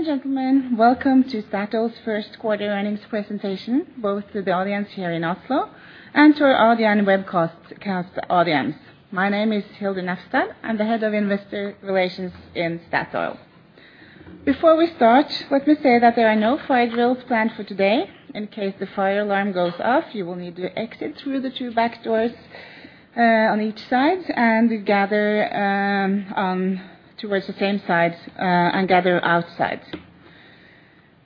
Ladies and gentlemen, welcome to Statoil's first quarter earnings presentation, both to the audience here in Oslo and to our audio and webcast audience. My name is Hilde Nafstad. I'm the head of Investor Relations in Statoil. Before we start, let me say that there are no fire drills planned for today. In case the fire alarm goes off, you will need to exit through the two back doors on each side and gather outside on the same side.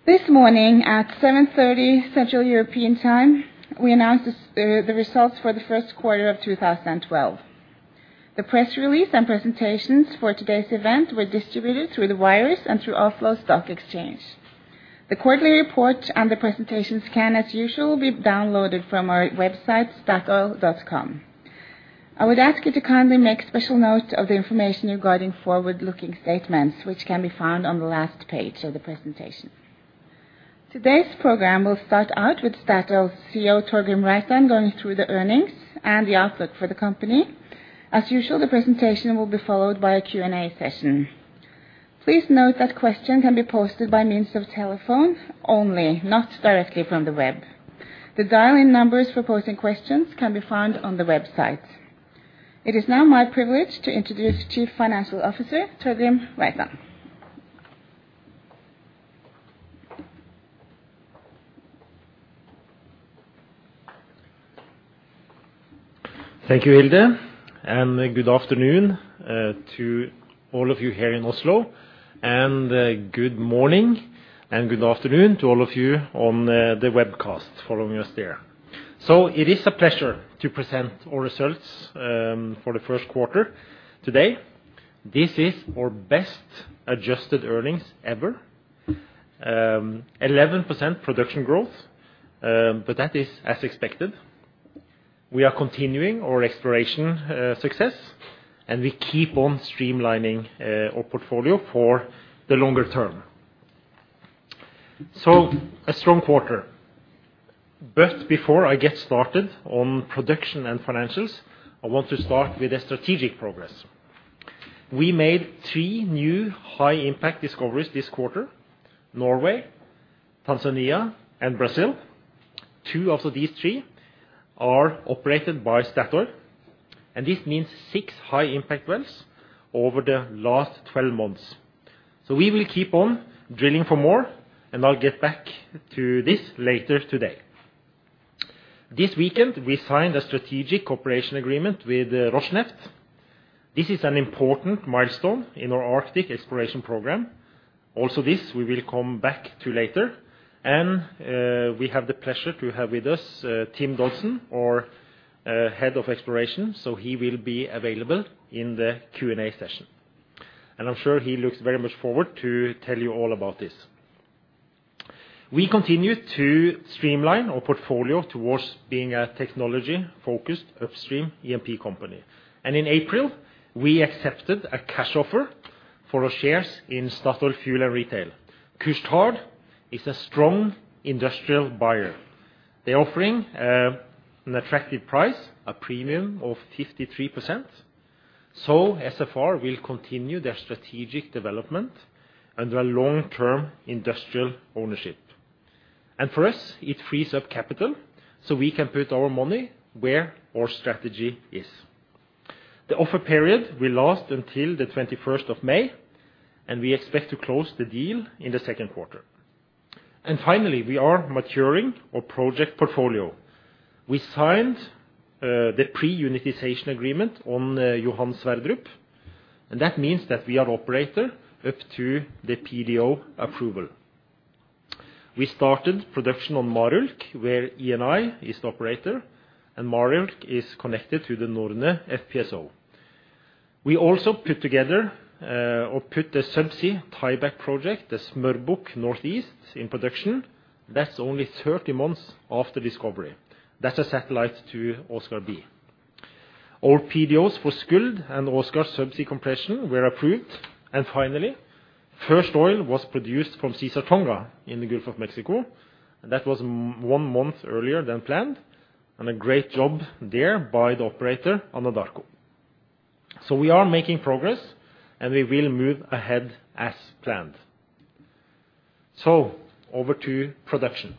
This morning at 7:30 A.M. Central European Time, we announced the results for the first quarter of 2012. The press release and presentations for today's event were distributed through the wires and through Oslo Stock Exchange. The quarterly report and the presentations can, as usual, be downloaded from our website, statoil.com. I would ask you to kindly make special note of the information regarding forward-looking statements, which can be found on the last page of the presentation. Today's program will start out with Statoil's CFO, Torgrim Reitan, going through the earnings and the outlook for the company. As usual, the presentation will be followed by a Q&A session. Please note that questions can be posted by means of telephone only, not directly from the web. The dial-in numbers for posting questions can be found on the website. It is now my privilege to introduce Chief Financial Officer, Torgrim Reitan. Thank you, Hilde, and good afternoon to all of you here in Oslo, and good morning and good afternoon to all of you on the webcast following us there. It is a pleasure to present our results for the first quarter today. This is our best adjusted earnings ever. Eleven percent production growth, but that is as expected. We are continuing our exploration success, and we keep on streamlining our portfolio for the longer term. A strong quarter. Before I get started on production and financials, I want to start with the strategic progress. We made three new high impact discoveries this quarter, Norway, Tanzania and Brazil. Two of these three are operated by Statoil, and this means six high impact wells over the last 12 months. We will keep on drilling for more, and I'll get back to this later today. This weekend, we signed a strategic cooperation agreement with Rosneft. This is an important milestone in our Arctic exploration program. This we will come back to later. We have the pleasure to have with us, Tim Dodson, our head of exploration, so he will be available in the Q&A session. I'm sure he looks very much forward to tell you all about this. We continue to streamline our portfolio towards being a technology-focused upstream E&P company. In April, we accepted a cash offer for our shares in Statoil Fuel & Retail. Couche-Tard is a strong industrial buyer. They're offering an attractive price, a premium of 53%. SFR will continue their strategic development under a long-term industrial ownership. For us, it frees up capital, so we can put our money where our strategy is. The offer period will last until the 21st of May, and we expect to close the deal in the second quarter. We are maturing our project portfolio. We signed the pre-unitization agreement on Johan Sverdrup, and that means that we are operator up to the PDO approval. We started production on Marulk, where Eni is the operator, and Marulk is connected to the Norne FPSO. We also put the subsea tieback project, the Smørbukk Northeast, in production. That's only 30 months after discovery. That's a satellite to Åsgard B. Our PDOs for Skuld and Åsgard subsea compression were approved. First oil was produced from Caesar Tonga in the Gulf of Mexico. That was one month earlier than planned, and a great job there by the operator Anadarko. We are making progress, and we will move ahead as planned. Over to production.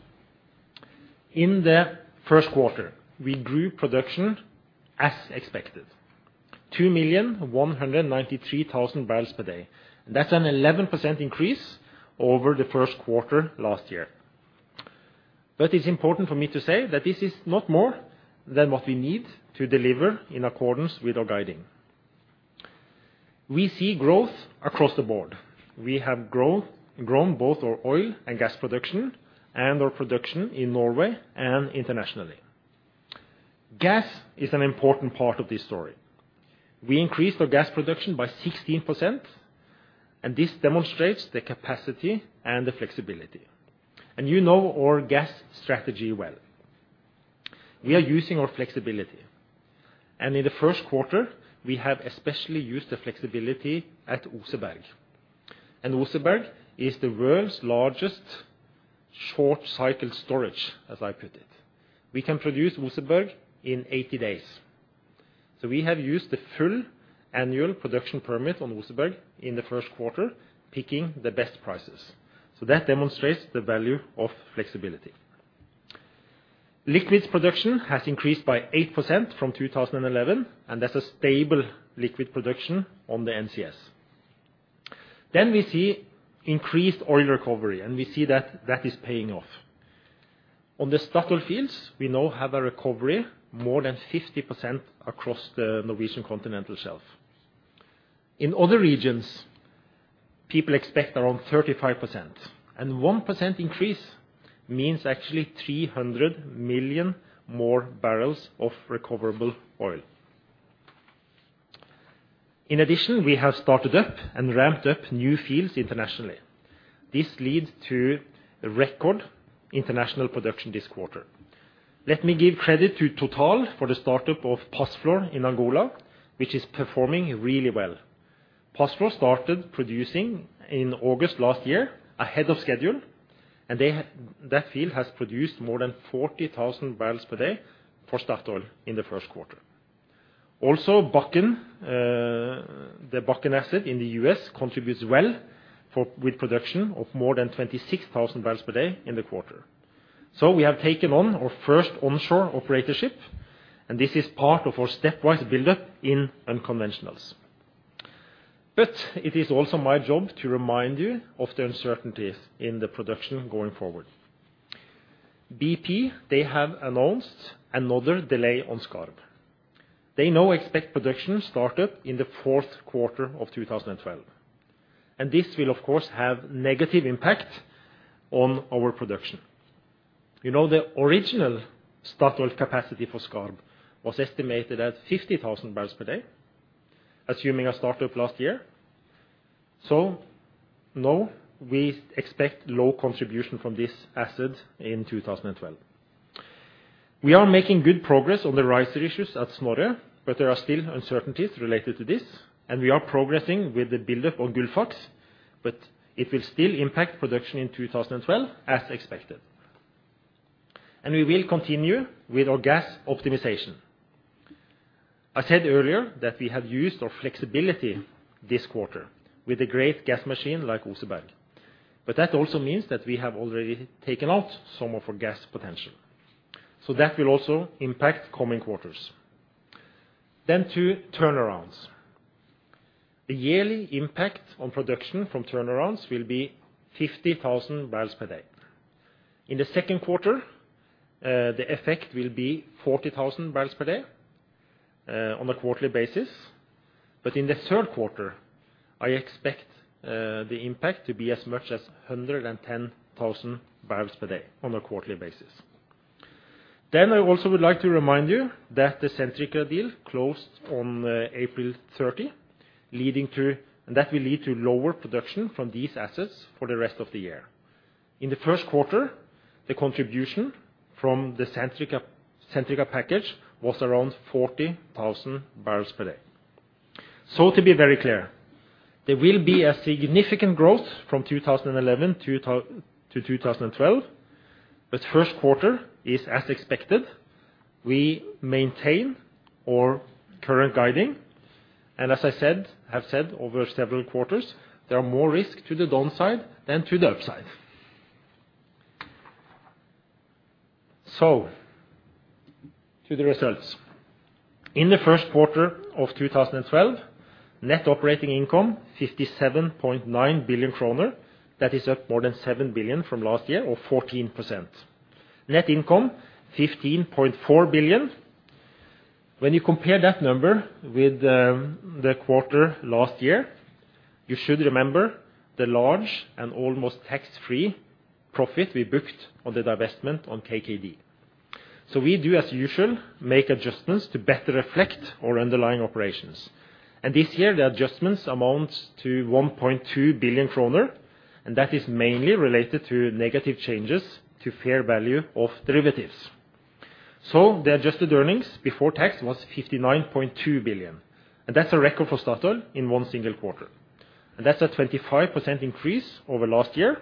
In the first quarter, we grew production as expected, 2,193,000 barrels per day. That's an 11% increase over the first quarter last year. It's important for me to say that this is not more than what we need to deliver in accordance with our guidance. We see growth across the board. We have grown both our oil and gas production and our production in Norway and internationally. Gas is an important part of this story. We increased our gas production by 16%, and this demonstrates the capacity and the flexibility. You know our gas strategy well. We are using our flexibility. In the first quarter, we have especially used the flexibility at Oseberg. Oseberg is the world's largest short-cycle storage, as I put it. We can produce Oseberg in 80 days. We have used the full annual production permit on Oseberg in the first quarter, picking the best prices. That demonstrates the value of flexibility. Liquids production has increased by 8% from 2011, and that's a stable liquid production on the NCS. We see increased oil recovery, and we see that that is paying off. On the Statoil fields, we now have a recovery more than 50% across the Norwegian Continental Shelf. In other regions, people expect around 35%, and 1% increase means actually 300 million more barrels of recoverable oil. In addition, we have started up and ramped up new fields internationally. This leads to a record international production this quarter. Let me give credit to Total for the startup of Pazflor in Angola, which is performing really well. Pazflor started producing in August last year ahead of schedule, and that field has produced more than 40,000 barrels per day for Statoil in the first quarter. Also Bakken, the Bakken asset in the U.S. contributes well with production of more than 26,000 barrels per day in the quarter. So we have taken on our first onshore operatorship, and this is part of our stepwise buildup in unconventionals. But it is also my job to remind you of the uncertainties in the production going forward. BP, they have announced another delay on Skarv. They now expect production started in the fourth quarter of 2012. This will of course have negative impact on our production. You know, the original Statoil capacity for Skarv was estimated at 50,000 barrels per day, assuming a startup last year. Now we expect low contribution from this asset in 2012. We are making good progress on the riser issues at Snorre, but there are still uncertainties related to this, and we are progressing with the buildup on Gullfaks, but it will still impact production in 2012 as expected. We will continue with our gas optimization. I said earlier that we have used our flexibility this quarter with a great gas machine like Oseberg. That also means that we have already taken out some of our gas potential. That will also impact coming quarters. To turnarounds. The yearly impact on production from turnarounds will be 50,000 barrels per day. In the second quarter, the effect will be 40,000 barrels per day on a quarterly basis. In the third quarter, I expect the impact to be as much as 110,000 barrels per day on a quarterly basis. I also would like to remind you that the Centrica deal closed on April 30, leading to that will lead to lower production from these assets for the rest of the year. In the first quarter, the contribution from the Centrica package was around 40,000 barrels per day. To be very clear, there will be a significant growth from 2011-2012, but first quarter is as expected. We maintain our current guidance, and as I said, have said over several quarters, there are more risks to the downside than to the upside. To the results. In the first quarter of 2012, net operating income 57.9 billion kroner. That is up more than 7 billion from last year or 14%. Net income 15.4 billion. When you compare that number with the quarter last year, you should remember the large and almost tax-free profit we booked on the divestment on KKD. We do, as usual, make adjustments to better reflect our underlying operations. This year, the adjustments amount to 1.2 billion kroner, and that is mainly related to negative changes to fair value of derivatives. The adjusted earnings before tax was 59.2 billion. That's a record for Statoil in one single quarter. That's a 25% increase over last year.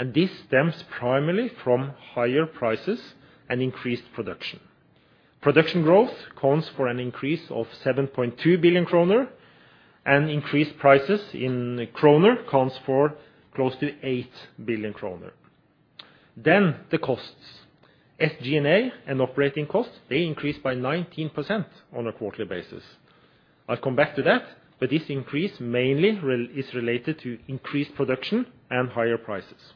This stems primarily from higher prices and increased production. Production growth accounts for an increase of 7.2 billion kroner, and increased prices in kroner accounts for close to 8 billion kroner. Then the costs. SG&A and operating costs, they increased by 19% on a quarterly basis. I'll come back to that, but this increase mainly is related to increased production and higher prices.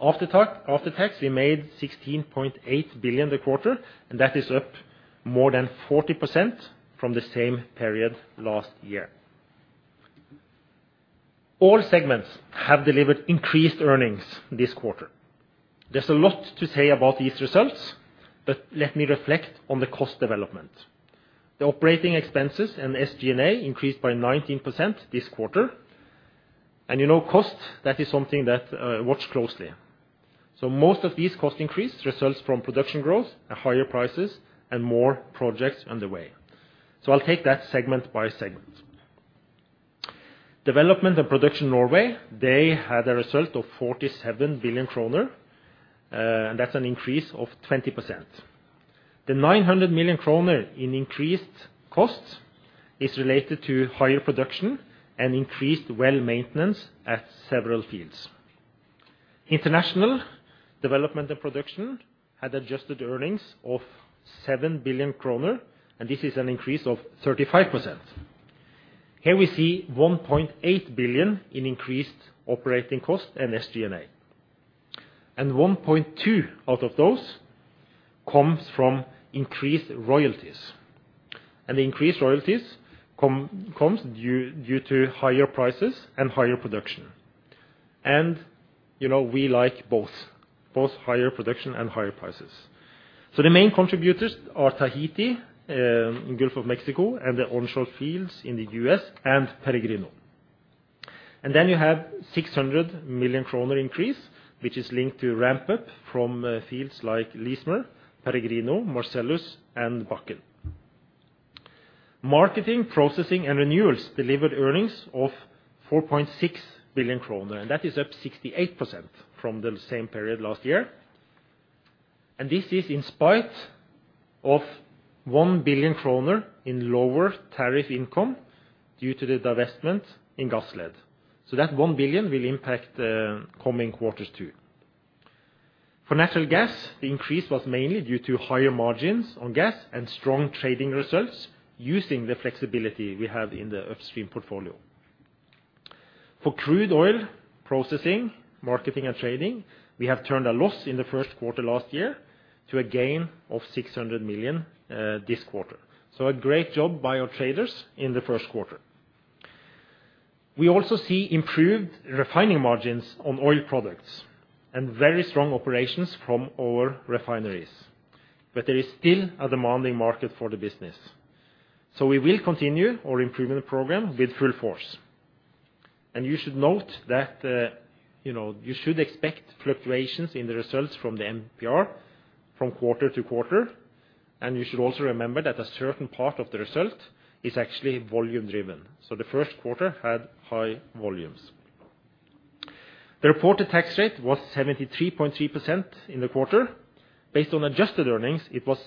After tax, we made 16.8 billion a quarter, and that is up more than 40% from the same period last year. All segments have delivered increased earnings this quarter. There's a lot to say about these results, but let me reflect on the cost development. The operating expenses and SG&A increased by 19% this quarter. You know, cost, that is something that watch closely. Most of these cost increase results from production growth and higher prices and more projects underway. I'll take that segment by segment. Development and Production Norway, they had a result of 47 billion kroner, and that's an increase of 20%. The 900 million kroner in increased costs is related to higher production and increased well maintenance at several fields. International Development and Production had adjusted earnings of 7 billion kroner, and this is an increase of 35%. Here we see 1.8 billion in increased operating costs and SG&A. And 1.2 billion out of those comes from increased royalties. Increased royalties comes due to higher prices and higher production. You know, we like both higher production and higher prices. The main contributors are Tahiti in Gulf of Mexico and the onshore fields in the US and Peregrino. Then you have 600 million kroner increase, which is linked to ramp-up from fields like Leismer, Peregrino, Marcellus and Bakken. Marketing, processing and renewables delivered earnings of 4.6 billion kroner, and that is up 68% from the same period last year. This is in spite of 1 billion kroner in lower tariff income due to the divestment in Gassled. That 1 billion will impact the coming quarters too. For natural gas, the increase was mainly due to higher margins on gas and strong trading results using the flexibility we have in the upstream portfolio. For crude oil processing, marketing and trading, we have turned a loss in the first quarter last year to a gain of 600 million this quarter. A great job by our traders in the first quarter. We also see improved refining margins on oil products and very strong operations from our refineries. There is still a demanding market for the business. We will continue our improvement program with full force. You should note that you should expect fluctuations in the results from the MPR from quarter to quarter. You should also remember that a certain part of the result is actually volume driven. The first quarter had high volumes. The reported tax rate was 73.3% in the quarter. Based on adjusted earnings, it was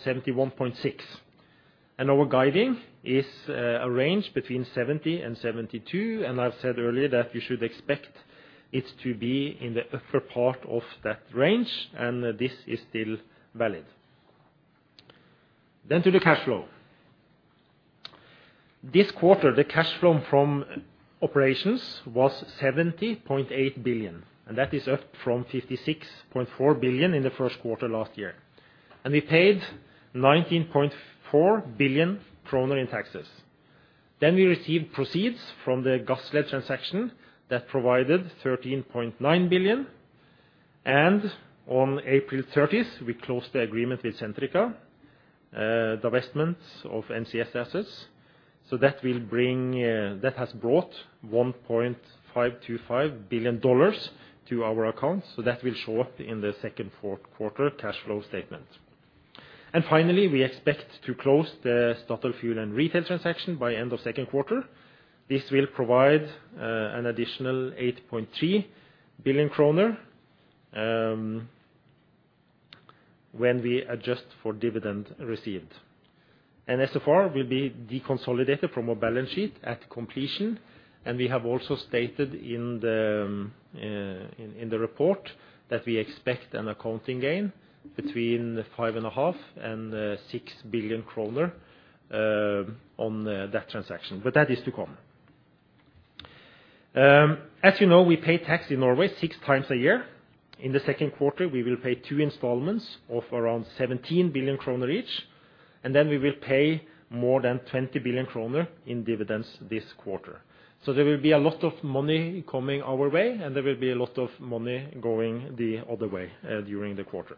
71.6%. Our guiding is a range between 70% and 72%. I've said earlier that you should expect it to be in the upper part of that range, and this is still valid. To the cash flow. This quarter, the cash flow from operations was 70.8 billion, and that is up from 56.4 billion in the first quarter last year. We paid 19.4 billion kroner in taxes. We received proceeds from the Gassled transaction that provided 13.9 billion. On April 30, we closed the agreement with Centrica, divestments of NCS assets. That has brought $1.525 billion to our accounts. That will show up in the second quarter cash flow statement. We expect to close the Statoil Fuel & Retail transaction by end of second quarter. This will provide an additional 8.3 billion kroner when we adjust for dividend received. SFR will be deconsolidated from our balance sheet at completion, and we have also stated in the report that we expect an accounting gain between 5 and a half billion and 6 billion kroner on that transaction. That is to come. As you know, we pay tax in Norway six times a year. In the second quarter, we will pay two installments of around 17 billion kroner each, and then we will pay more than 20 billion kroner in dividends this quarter. There will be a lot of money coming our way, and there will be a lot of money going the other way during the quarter.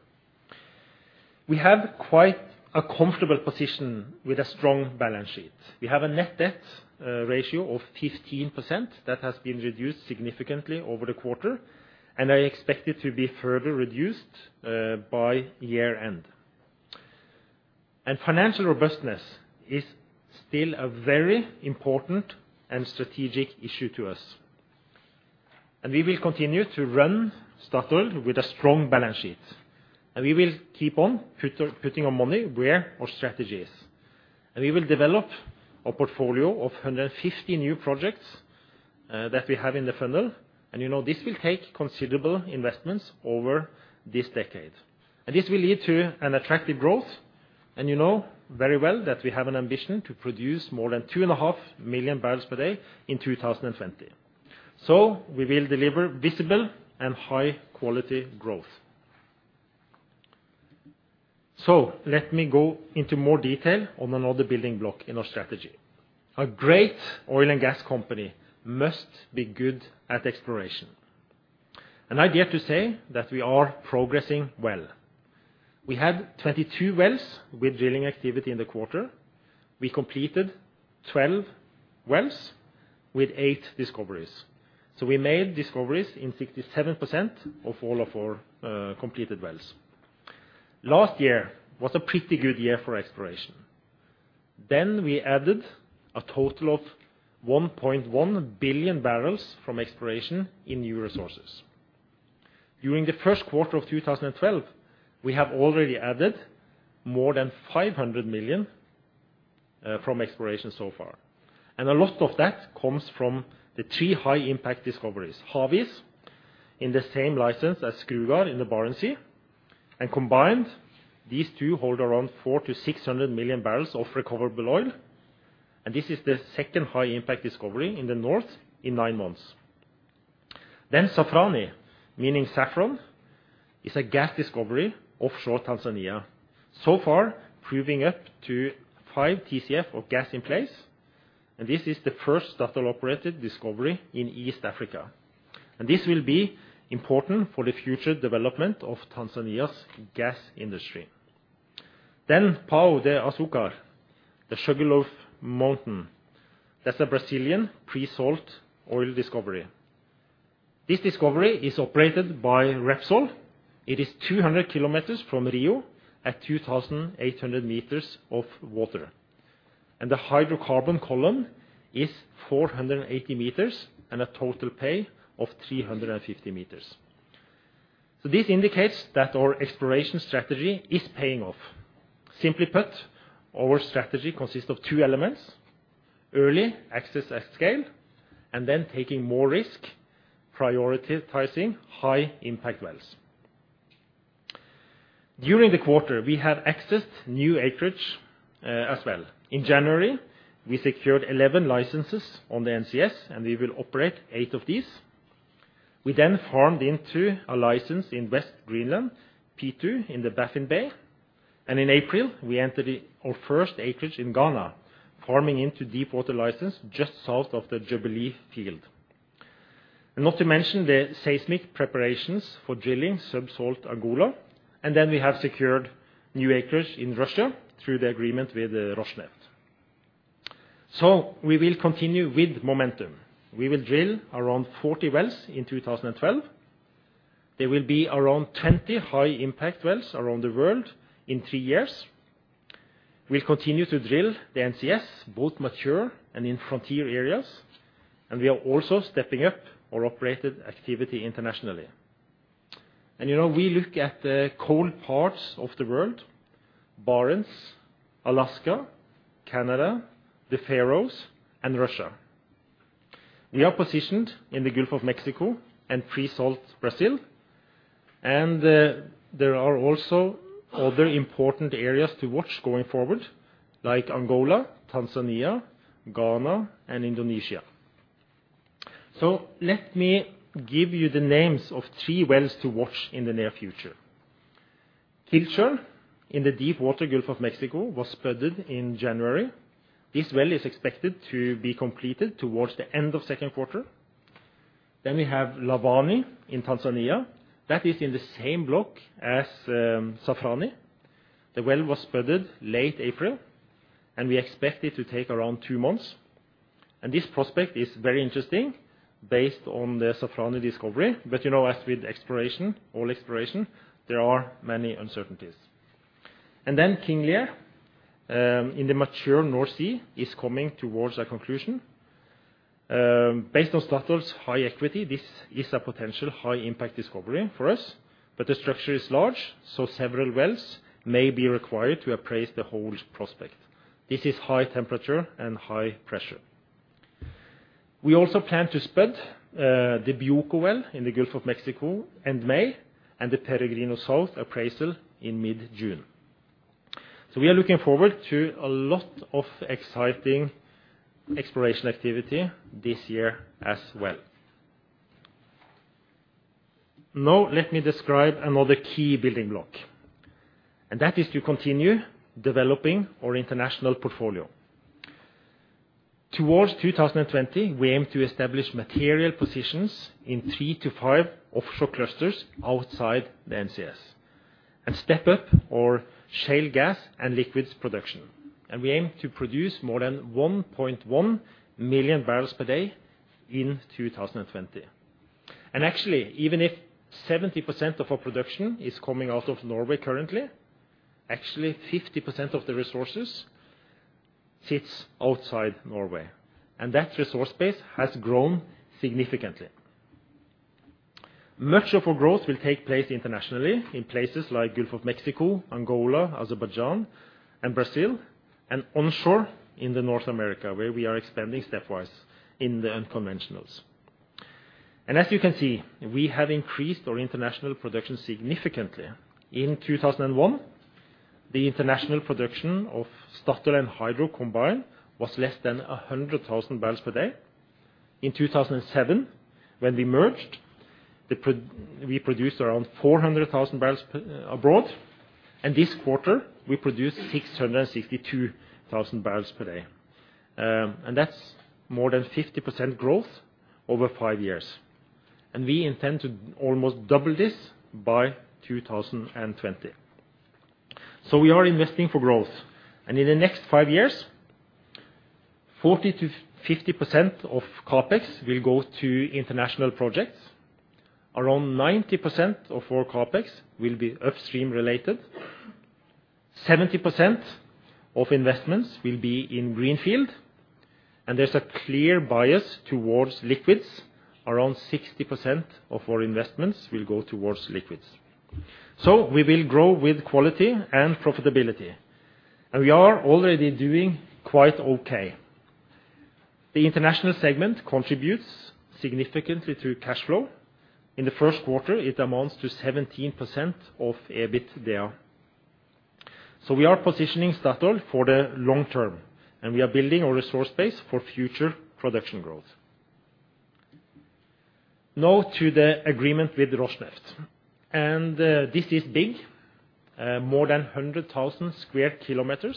We have quite a comfortable position with a strong balance sheet. We have a net debt ratio of 15% that has been reduced significantly over the quarter, and I expect it to be further reduced by year-end. Financial robustness is still a very important and strategic issue to us. We will continue to run Statoil with a strong balance sheet. We will keep on putting our money where our strategy is. We will develop our portfolio of 150 new projects that we have in the funnel. You know, this will take considerable investments over this decade. This will lead to an attractive growth. You know very well that we have an ambition to produce more than 2.5 million barrels per day in 2020. We will deliver visible and high quality growth. Let me go into more detail on another building block in our strategy. A great oil and gas company must be good at exploration. I dare to say that we are progressing well. We had 22 wells with drilling activity in the quarter. We completed 12 wells with eight discoveries. We made discoveries in 67% of all of our completed wells. Last year was a pretty good year for exploration. We added a total of 1.1 billion barrels from exploration in new resources. During the first quarter of 2012, we have already added more than 500 million from exploration so far. A lot of that comes from the three high impact discoveries. Havis, in the same license as Skrugard in the Barents Sea, and combined, these two hold around 400-600 million barrels of recoverable oil. This is the second high impact discovery in the North in 9 months. Zafarani, meaning saffron, is a gas discovery offshore Tanzania. So far, proving up to five TCF of gas in place. This is the first Statoil-operated discovery in East Africa. This will be important for the future development of Tanzania's gas industry. Pão de Açúcar, the Sugarloaf Mountain. That's a Brazilian pre-salt oil discovery. This discovery is operated by Repsol. It is 200 km from Rio at 2,800 m of water. The hydrocarbon column is 480 m and a total pay of 350 m. This indicates that our exploration strategy is paying off. Simply put, our strategy consists of two elements, early access at scale, and then taking more risk, prioritizing high impact wells. During the quarter, we have accessed new acreage, as well. In January, we secured 11 licenses on the NCS, and we will operate eight of these. We then farmed into a license in West Greenland, P2 in the Baffin Bay. In April, we entered our first acreage in Ghana, farming into deep water license just south of the Jubilee field. Not to mention the seismic preparations for drilling sub-salt Angola. We have secured new acreage in Russia through the agreement with Rosneft. We will continue with momentum. We will drill around 40 wells in 2012. There will be around 20 high impact wells around the world in 3 years. We'll continue to drill the NCS, both mature and in frontier areas. We are also stepping up our operated activity internationally. You know, we look at the cold parts of the world, Barents, Alaska, Canada, the Faroes and Russia. We are positioned in the Gulf of Mexico and pre-salt Brazil. There are also other important areas to watch going forward, like Angola, Tanzania, Ghana and Indonesia. Let me give you the names of three wells to watch in the near future. Kilchurn in the deepwater Gulf of Mexico was spudded in January. This well is expected to be completed towards the end of second quarter. We have Lavani in Tanzania. That is in the same block as Zafarani. The well was spudded late April, and we expect it to take around two months. This prospect is very interesting based on the Zafarani discovery. You know, as with exploration, oil exploration, there are many uncertainties. King Lear in the mature North Sea is coming towards a conclusion. Based on Statoil's high equity, this is a potential high impact discovery for us. The structure is large, so several wells may be required to appraise the whole prospect. This is high temperature and high pressure. We also plan to spud the Kakuna well in the Gulf of Mexico in May and the Peregrine South appraisal in mid-June. We are looking forward to a lot of exciting exploration activity this year as well. Now let me describe another key building block, and that is to continue developing our international portfolio. Towards 2020, we aim to establish material positions in three-five offshore clusters outside the NCS and step up our shale gas and liquids production. We aim to produce more than 1.1 million barrels per day in 2020. Actually, even if 70% of our production is coming out of Norway currently, actually 50% of the resources sits outside Norway, and that resource base has grown significantly. Much of our growth will take place internationally in places like Gulf of Mexico, Angola, Azerbaijan and Brazil, and onshore in North America, where we are expanding stepwise in the unconventionals. As you can see, we have increased our international production significantly. In 2001, the international production of Statoil and Hydro combined was less than 100,000 barrels per day. In 2007, when we merged, we produced around 400,000 barrels per day abroad. This quarter, we produced 662,000 barrels per day. That's more than 50% growth over 5 years. We intend to almost double this by 2020. We are investing for growth. In the next 5 years, 40%-50% of CapEx will go to international projects. Around 90% of our CapEx will be upstream related. 70% of investments will be in greenfield, and there's a clear bias towards liquids. Around 60% of our investments will go towards liquids. We will grow with quality and profitability, and we are already doing quite okay. The international segment contributes significantly to cash flow. In the first quarter, it amounts to 17% of EBITDA. We are positioning Statoil for the long term, and we are building our resource base for future production growth. To the agreement with Rosneft, this is big, more than 100,000 sq km,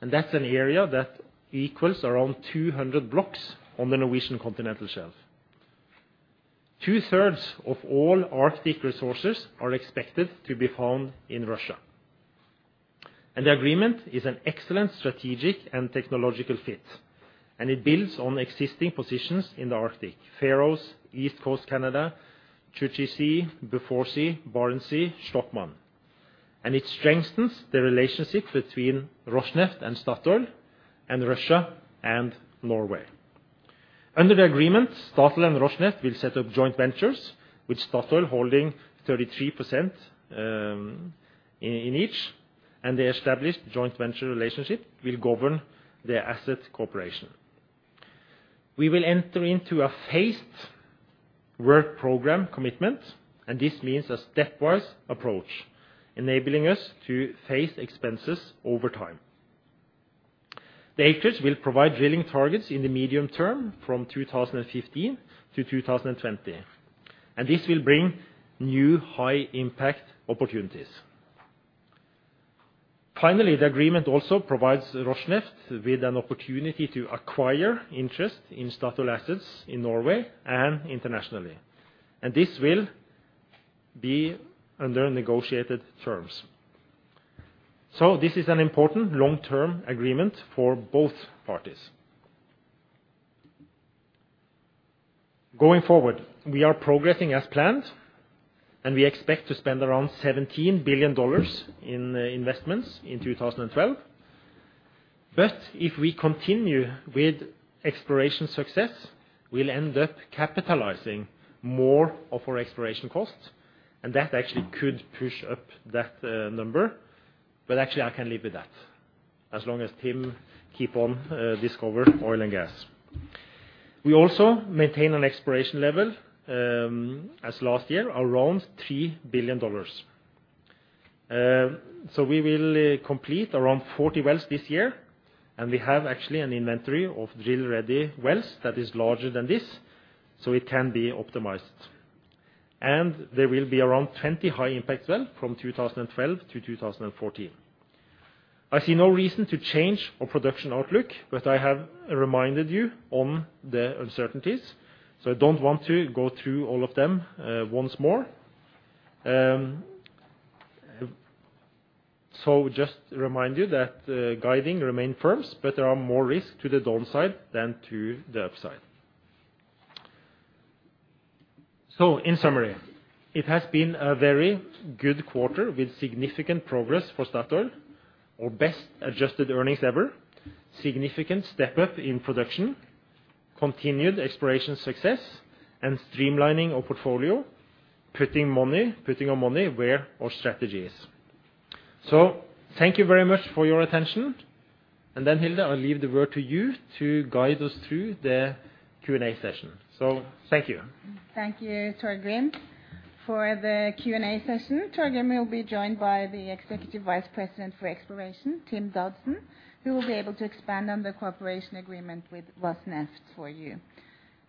and that's an area that equals around 200 blocks on the Norwegian continental shelf. Two-thirds of all Arctic resources are expected to be found in Russia. The agreement is an excellent strategic and technological fit, and it builds on existing positions in the Arctic, Faroes, East Coast Canada, Chukchi Sea, Beaufort Sea, Barents Sea, Shtokman. It strengthens the relationship between Rosneft and Statoil and Russia and Norway. Under the agreement, Statoil and Rosneft will set up joint ventures with Statoil holding 33%, in each, and the established joint venture relationship will govern the asset cooperation. We will enter into a phased work program commitment, and this means a stepwise approach, enabling us to phase expenses over time. The acreage will provide drilling targets in the medium term from 2015 to 2020, and this will bring new high-impact opportunities. Finally, the agreement also provides Rosneft with an opportunity to acquire interest in Statoil assets in Norway and internationally, and this will be under negotiated terms. This is an important long-term agreement for both parties. Going forward, we are progressing as planned, and we expect to spend around $17 billion in investments in 2012. If we continue with exploration success, we'll end up capitalizing more of our exploration costs and that actually could push up that number. Actually, I can live with that as long as Tim keep on discover oil and gas. We also maintain an exploration level as last year, around $3 billion. We will complete around 40 wells this year, and we have actually an inventory of drill-ready wells that is larger than this, so it can be optimized. There will be around 20 high-impact well from 2012-2014. I see no reason to change our production outlook, but I have reminded you on the uncertainties, so I don't want to go through all of them once more. Just remind you that guidance remains firm, but there are more risk to the downside than to the upside. In summary, it has been a very good quarter with significant progress for Statoil, our best adjusted earnings ever, significant step up in production, continued exploration success, and streamlining our portfolio, putting our money where our strategy is. Thank you very much for your attention. Then, Hilde, I'll leave the word to you to guide us through the Q&A session. Thank you. Thank you, Torgrim. For the Q&A session, Torgrim will be joined by the Executive Vice President for Exploration, Tim Dodson, who will be able to expand on the cooperation agreement with Rosneft for you.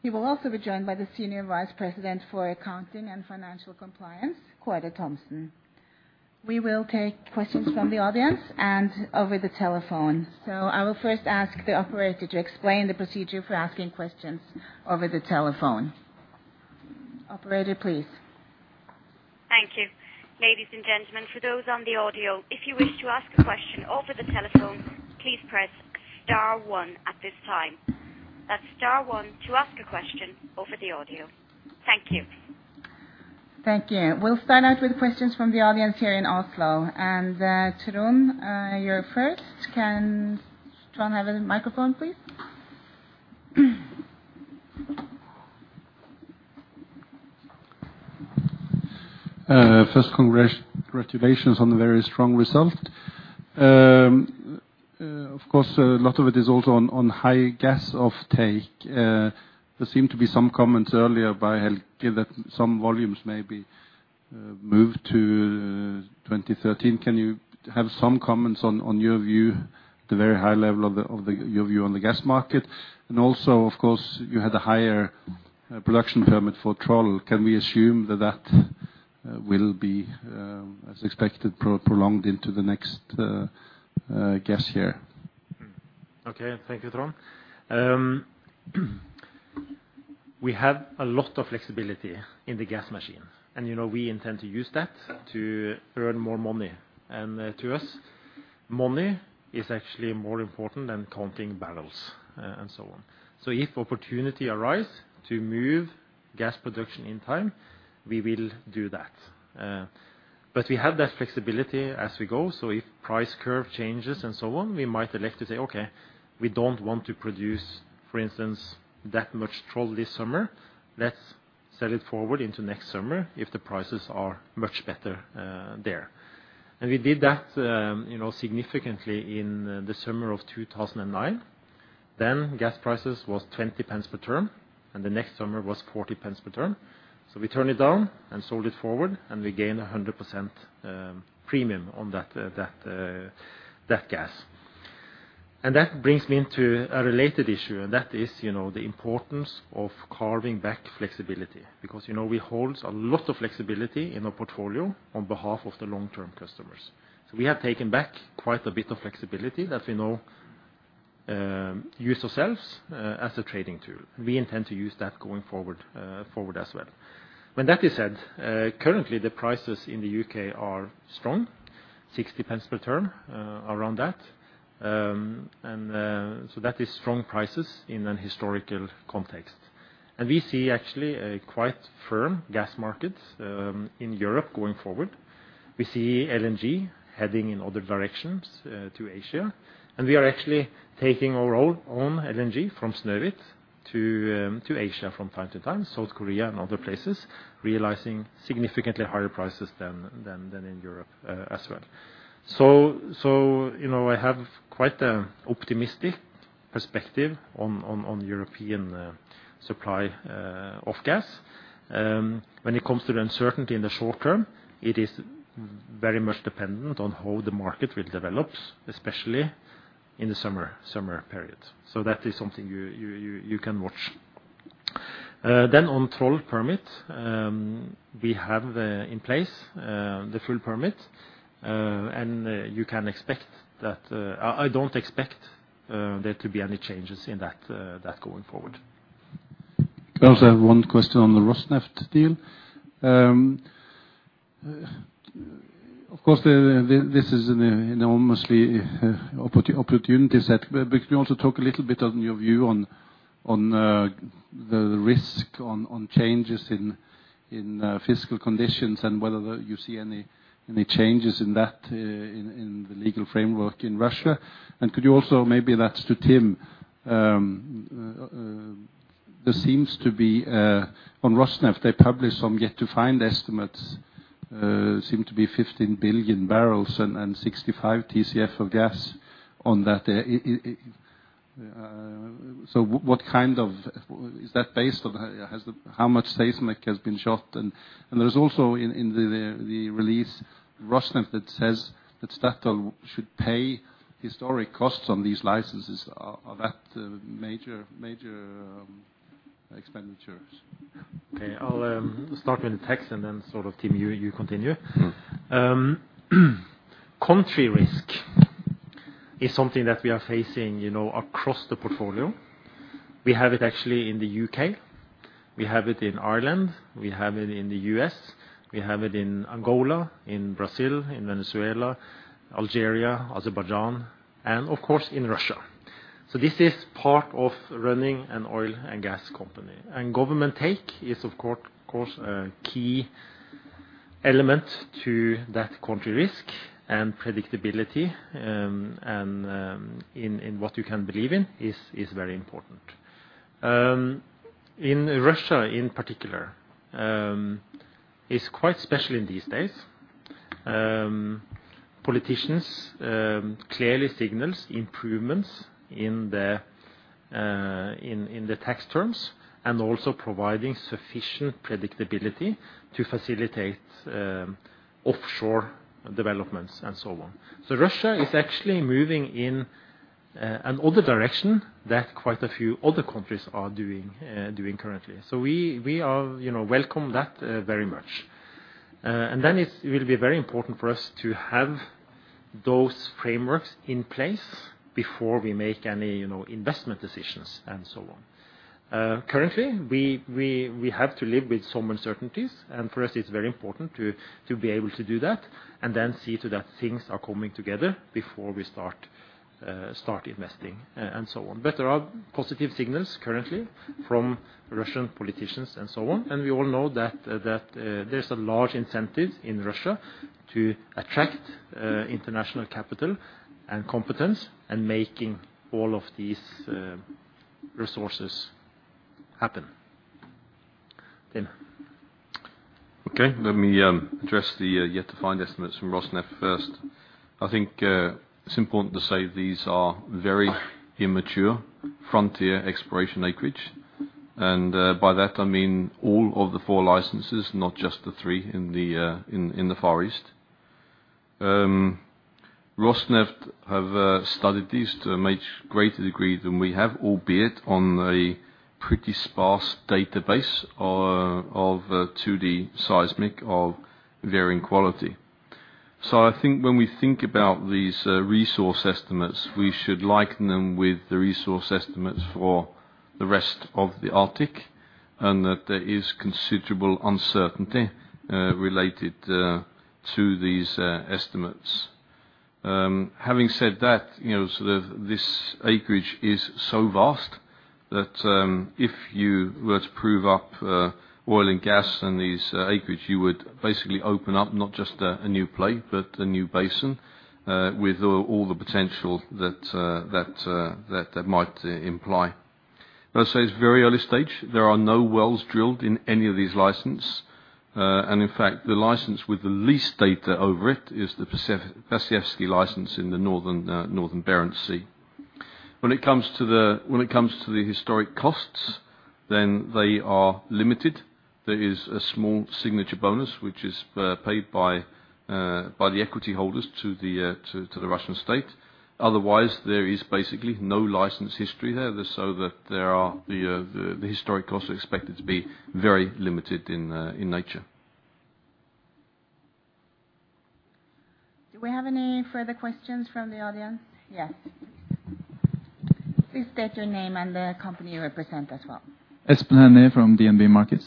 He will also be joined by the Senior Vice President for Accounting and Financial Compliance, Kåre Thommessen. We will take questions from the audience and over the telephone. I will first ask the operator to explain the procedure for asking questions over the telephone. Operator, please. Thank you. Ladies and gentlemen, for those on the audio, if you wish to ask a question over the telephone, please press star one at this time. That's star one to ask a question over the audio. Thank you. Thank you. We'll start out with questions from the audience here in Oslo. Torunn, you're first. Can Torunn have the microphone, please? First congratulations on the very strong result. Of course, a lot of it is also on high gas offtake. There seemed to be some comments earlier by Hilde that some volumes may be moved to 2013. Can you have some comments on your view on the gas market at the very high level? Also, of course, you had a higher production permit for Troll. Can we assume that that will be, as expected, prolonged into the next gas year? Okay. Thank you, Torunn. We have a lot of flexibility in the gas machine, and, you know, we intend to use that to earn more money. To us, money is actually more important than counting barrels, and so on. If opportunity arise to move gas production in time, we will do that. We have that flexibility as we go, so if price curve changes and so on, we might elect to say, "Okay, we don't want to produce, for instance, that much Troll this summer. Let's sell it forward into next summer if the prices are much better, there." We did that, you know, significantly in the summer of 2009. Then gas prices was 20 pence per therm, and the next summer was 40 pence per therm. We turned it down and sold it forward, and we gained 100% premium on that gas. That brings me into a related issue, and that is, you know, the importance of carving back flexibility because, you know, we hold a lot of flexibility in our portfolio on behalf of the long-term customers. We have taken back quite a bit of flexibility that we now use ourselves as a trading tool. We intend to use that going forward as well. When that is said, currently the prices in the U.K. are strong, 60 pence per therm, around that. That is strong prices in a historical context. We see actually a quite firm gas market in Europe going forward. We see LNG heading in other directions to Asia, and we are actually taking our own LNG from Snøhvit to Asia from time to time, South Korea and other places, realizing significantly higher prices than in Europe as well. You know, I have quite an optimistic perspective on European supply of gas. When it comes to the uncertainty in the short term, it is very much dependent on how the market will develop, especially in the summer period. That is something you can watch. On Troll permit, we have in place the full permit, and you can expect that I don't expect there to be any changes in that going forward. I also have one question on the Rosneft deal. Of course, the this is an enormous opportunity set, but could you also talk a little bit on your view on the risk of changes in fiscal conditions and whether you see any changes in that in the legal framework in Russia? Could you also, maybe that's to Tim, there seems to be on Rosneft, they published some yet-to-find estimates seem to be 15 billion barrels and 65 TCF of gas on that. So, is that based on how much seismic has been shot? There's also in the Rosneft release that says that Statoil should pay historic costs on these licenses. Are those major expenditures? Okay. I'll start with the tax and then sort of, Tim, you continue. Mm-hmm. Country risk is something that we are facing, you know, across the portfolio. We have it actually in the U.K. We have it in Ireland. We have it in the U.S. We have it in Angola, in Brazil, in Venezuela, Algeria, Azerbaijan, and of course, in Russia. This is part of running an oil and gas company. Government take is, of course, a key element to that country risk and predictability, and in what you can believe in is very important. In Russia in particular, it's quite special in these days. Politicians clearly signal improvements in the tax terms and also providing sufficient predictability to facilitate offshore developments and so on. Russia is actually moving in another direction that quite a few other countries are doing currently. We welcome that, you know, very much. It will be very important for us to have those frameworks in place before we make any, you know, investment decisions and so on. Currently we have to live with some uncertainties, and for us it's very important to be able to do that and then see to it that things are coming together before we start investing and so on. There are positive signals currently from Russian politicians and so on, and we all know that there's a large incentive in Russia to attract international capital and competence and making all of these resources happen. Tim. Okay. Let me address the yet to find estimates from Rosneft first. I think it's important to say these are very immature frontier exploration acreage. By that I mean all of the four licenses, not just the three in the Far East. Rosneft have studied these to a much greater degree than we have, albeit on a pretty sparse database of 2D seismic of varying quality. I think when we think about these resource estimates, we should liken them with the resource estimates for the rest of the Arctic, and that there is considerable uncertainty related to these estimates. Having said that, you know, sort of this acreage is so vast that, if you were to prove up oil and gas in these acreage, you would basically open up not just a new play, but a new basin with all the potential that that might imply. Let's say it's very early stage. There are no wells drilled in any of these license. In fact, the license with the least data over it is the Perseevsky license in the northern Barents Sea. When it comes to the historic costs, then they are limited. There is a small signature bonus which is paid by the equity holders to the Russian state. Otherwise, there is basically no license history there. That there are the historical costs are expected to be very limited in nature. Do we have any further questions from the audience? Yes. Please state your name and the company you represent as well. Espen Hærner from DNB Markets.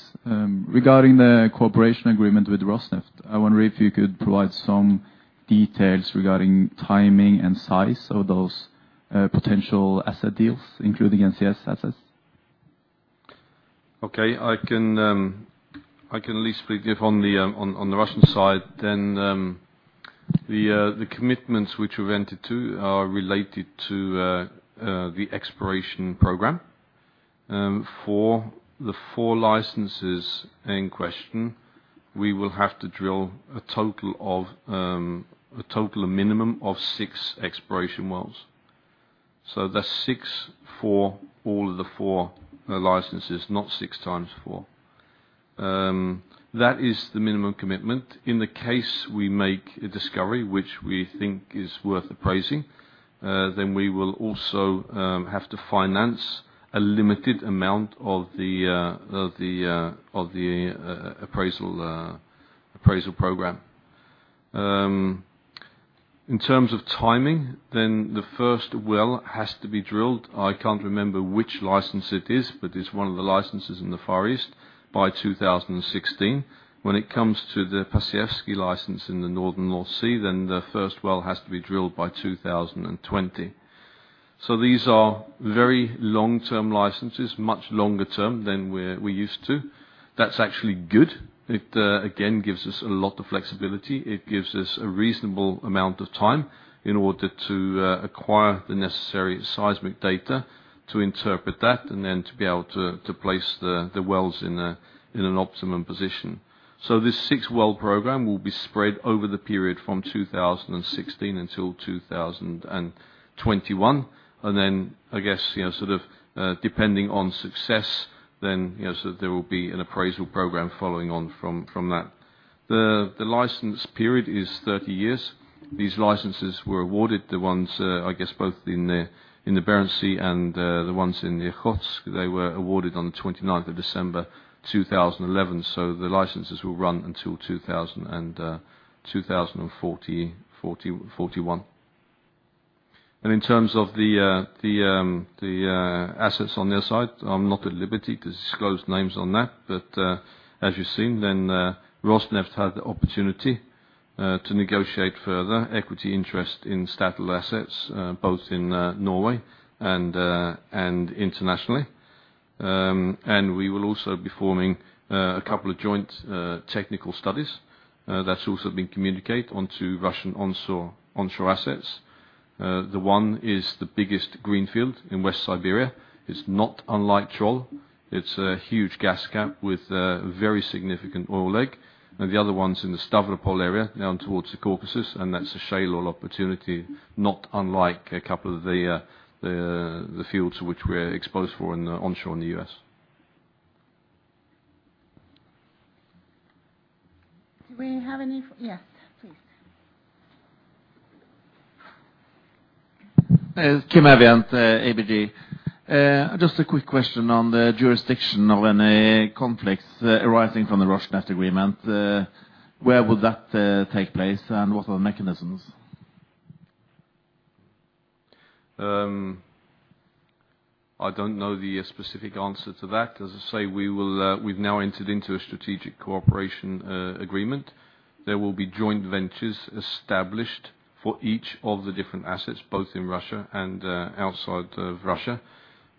Regarding the cooperation agreement with Rosneft, I wonder if you could provide some details regarding timing and size of those potential asset deals, including NCS assets. Okay. I can at least speak on the Russian side. The commitments which we've entered into are related to the exploration program. For the four licenses in question, we will have to drill a total of minimum of six exploration wells. That's six for all of the four licenses, not six times four. That is the minimum commitment. In the case we make a discovery, which we think is worth appraising, then we will also have to finance a limited amount of the appraisal program. In terms of timing, the first well has to be drilled. I can't remember which license it is, but it's one of the licenses in the Far East by 2016. When it comes to the Perseevsky license in the northern North Sea, then the first well has to be drilled by 2020. These are very long-term licenses, much longer term than we're used to. That's actually good. It again gives us a lot of flexibility. It gives us a reasonable amount of time in order to acquire the necessary seismic data to interpret that, and then to be able to place the wells in an optimum position. This six-well program will be spread over the period from 2016 until 2021. I guess, you know, sort of, depending on success, then, you know, there will be an appraisal program following on from that. The license period is 30 years. These licenses were awarded. The ones, I guess, both in the Barents Sea and the ones in the Okhotsk, they were awarded on the 29th of December 2011. The licenses will run until 2040-2041. In terms of the assets on their side, I'm not at liberty to disclose names on that. As you've seen then, Rosneft had the opportunity to negotiate further equity interest in Statoil assets, both in Norway and internationally. We will also be forming a couple of joint technical studies, that's also been communicated on to Russian onshore assets. The one is the biggest greenfield in West Siberia. It's not unlike Troll. It's a huge gas cap with a very significant oil lake. The other one's in the Stavropol area, down towards the Caucasus, and that's a shale oil opportunity, not unlike a couple of the fields which we're exposed for in the onshore in the U.S. Do we have any? Yes, please. Hi, this is Kim Iversen, ABG. Just a quick question on the jurisdiction of any conflicts arising from the Rosneft agreement. Where would that take place and what are the mechanisms? I don't know the specific answer to that. As I say, we will, we've now entered into a strategic cooperation agreement. There will be joint ventures established for each of the different assets, both in Russia and outside of Russia.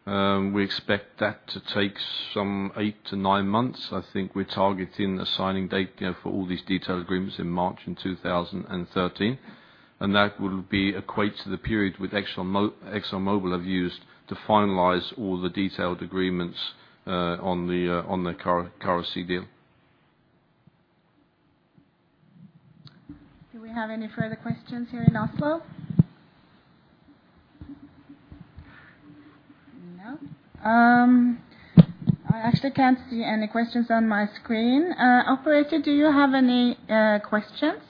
We expect that to take some 8 months-9 months. I think we're targeting a signing date, you know, for all these detailed agreements in March 2013. That would equate to the period with ExxonMobil have used to finalize all the detailed agreements on the Kara Sea deal. Do we have any further questions here in Oslo? No. I actually can't see any questions on my screen. Operator, do you have any questions?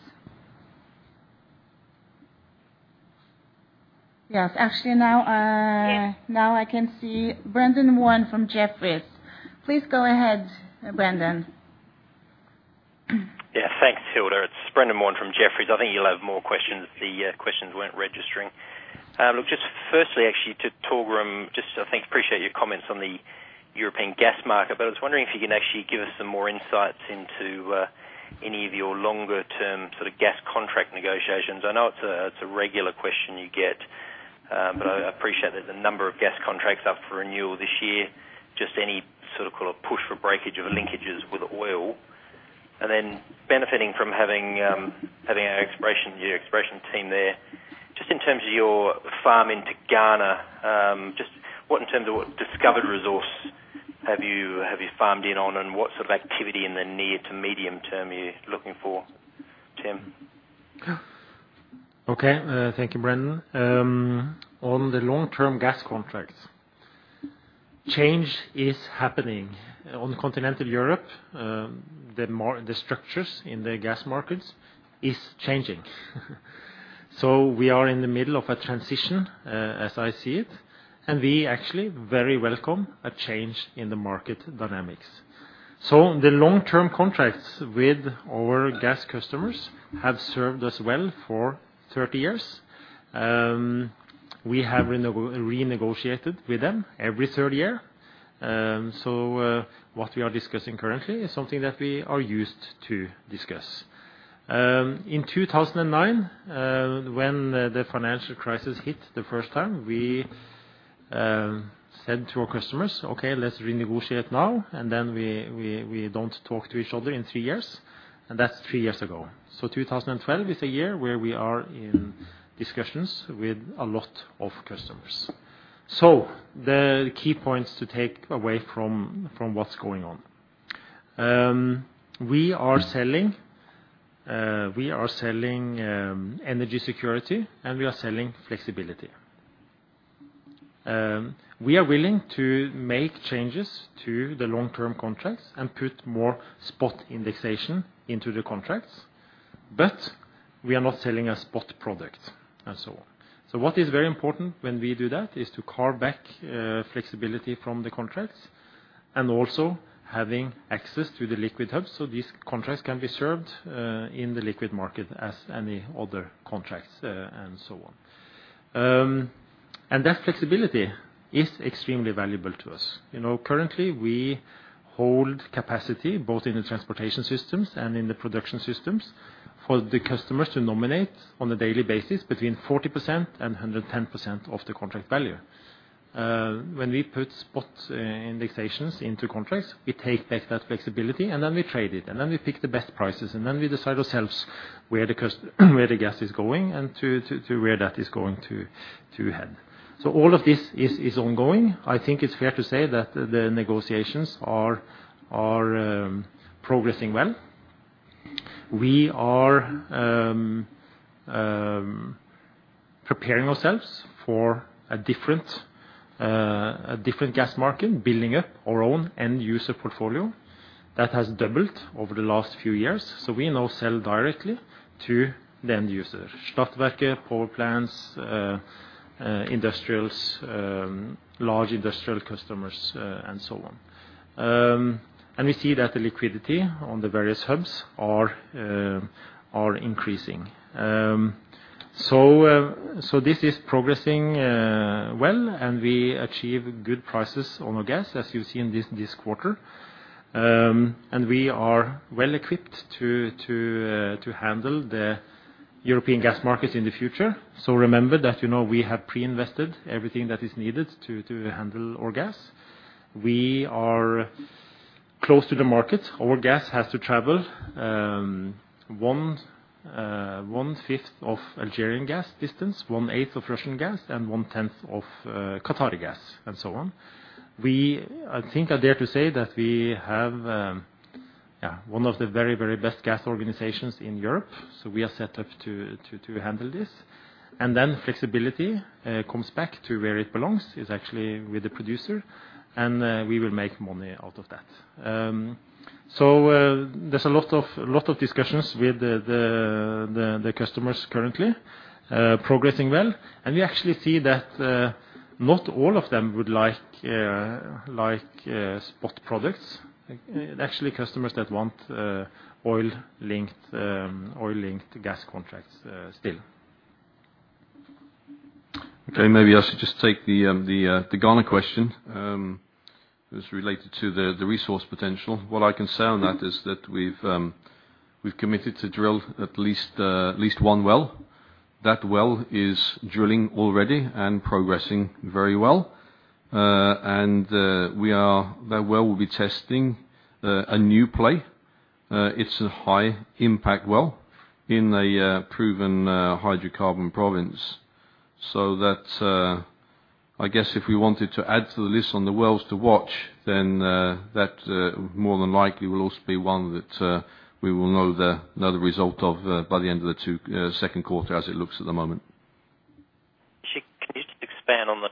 Yes, actually now, Yes. Now I can see Brendan Warn from Jefferies. Please go ahead, Brendan. Yeah, thanks, Hilde Nafstad. It's Brendan Warn from Jefferies. I think you'll have more questions. The questions weren't registering. Look, just firstly actually to Torgrim Reitan, just I think appreciate your comments on the European gas market, but I was wondering if you can actually give us some more insights into any of your longer-term sort of gas contract negotiations. I know it's a regular question you get, but I appreciate there's a number of gas contracts up for renewal this year. Just any sort of call or push for breakage of linkages with oil. And then benefiting from having your exploration team there, just in terms of your farm into Ghana, just what in terms of what discovered resource have you farmed in on? What sort of activity in the near to medium term are you looking for, Tim? Okay. Thank you, Brendan. On the long-term gas contracts, change is happening. On continental Europe, the structures in the gas markets is changing. We are in the middle of a transition, as I see it, and we actually very welcome a change in the market dynamics. The long-term contracts with our gas customers have served us well for 30 years. We have renegotiated with them every third year. What we are discussing currently is something that we are used to discuss. In 2009, when the financial crisis hit the first time, we said to our customers, "Okay, let's renegotiate now, and then we don't talk to each other in 3 years." That's 3 years ago. Two thousand and twelve is a year where we are in discussions with a lot of customers. The key points to take away from what's going on. We are selling energy security, and we are selling flexibility. We are willing to make changes to the long-term contracts and put more spot indexation into the contracts, but we are not selling a spot product and so on. What is very important when we do that is to carve back flexibility from the contracts and also having access to the liquid hubs. These contracts can be served in the liquid market as any other contracts, and so on. That flexibility is extremely valuable to us. You know, currently, we hold capacity both in the transportation systems and in the production systems for the customers to nominate on a daily basis between 40% and 110% of the contract value. When we put spot indexations into contracts, we take back that flexibility and then we trade it, and then we pick the best prices, and then we decide ourselves where the gas is going and to where that is going to head. All of this is ongoing. I think it's fair to say that the negotiations are progressing well. We are preparing ourselves for a different gas market, building up our own end-user portfolio. That has doubled over the last few years. We now sell directly to the end user. Statoil, power plants, industrials, large industrial customers, and so on. We see that the liquidity on the various hubs are increasing. This is progressing well, and we achieve good prices on our gas, as you see in this quarter. We are well equipped to handle the European gas markets in the future. Remember that, you know, we have pre-invested everything that is needed to handle our gas. We are close to the market. Our gas has to travel one-fifth of Algerian gas distance, 1/8 of Russian gas, and 1/10 of Qatari gas and so on. I think I dare to say that we have one of the very, very best gas organizations in Europe, so we are set up to handle this. Then flexibility comes back to where it belongs. It's actually with the producer, and we will make money out of that. There's a lot of discussions with the customers currently, progressing well. We actually see that not all of them would like spot products. Actually, customers that want oil-linked gas contracts still. Okay, maybe I should just take the Ghana question as related to the resource potential. What I can say on that is that we've committed to drill at least one well. That well is drilling already and progressing very well. That well will be testing a new play. It's a high impact well in a proven hydrocarbon province. That's, I guess if we wanted to add to the list on the wells to watch, then that more than likely will also be one that we will know the result of by the end of the second quarter as it looks at the moment. Sure Being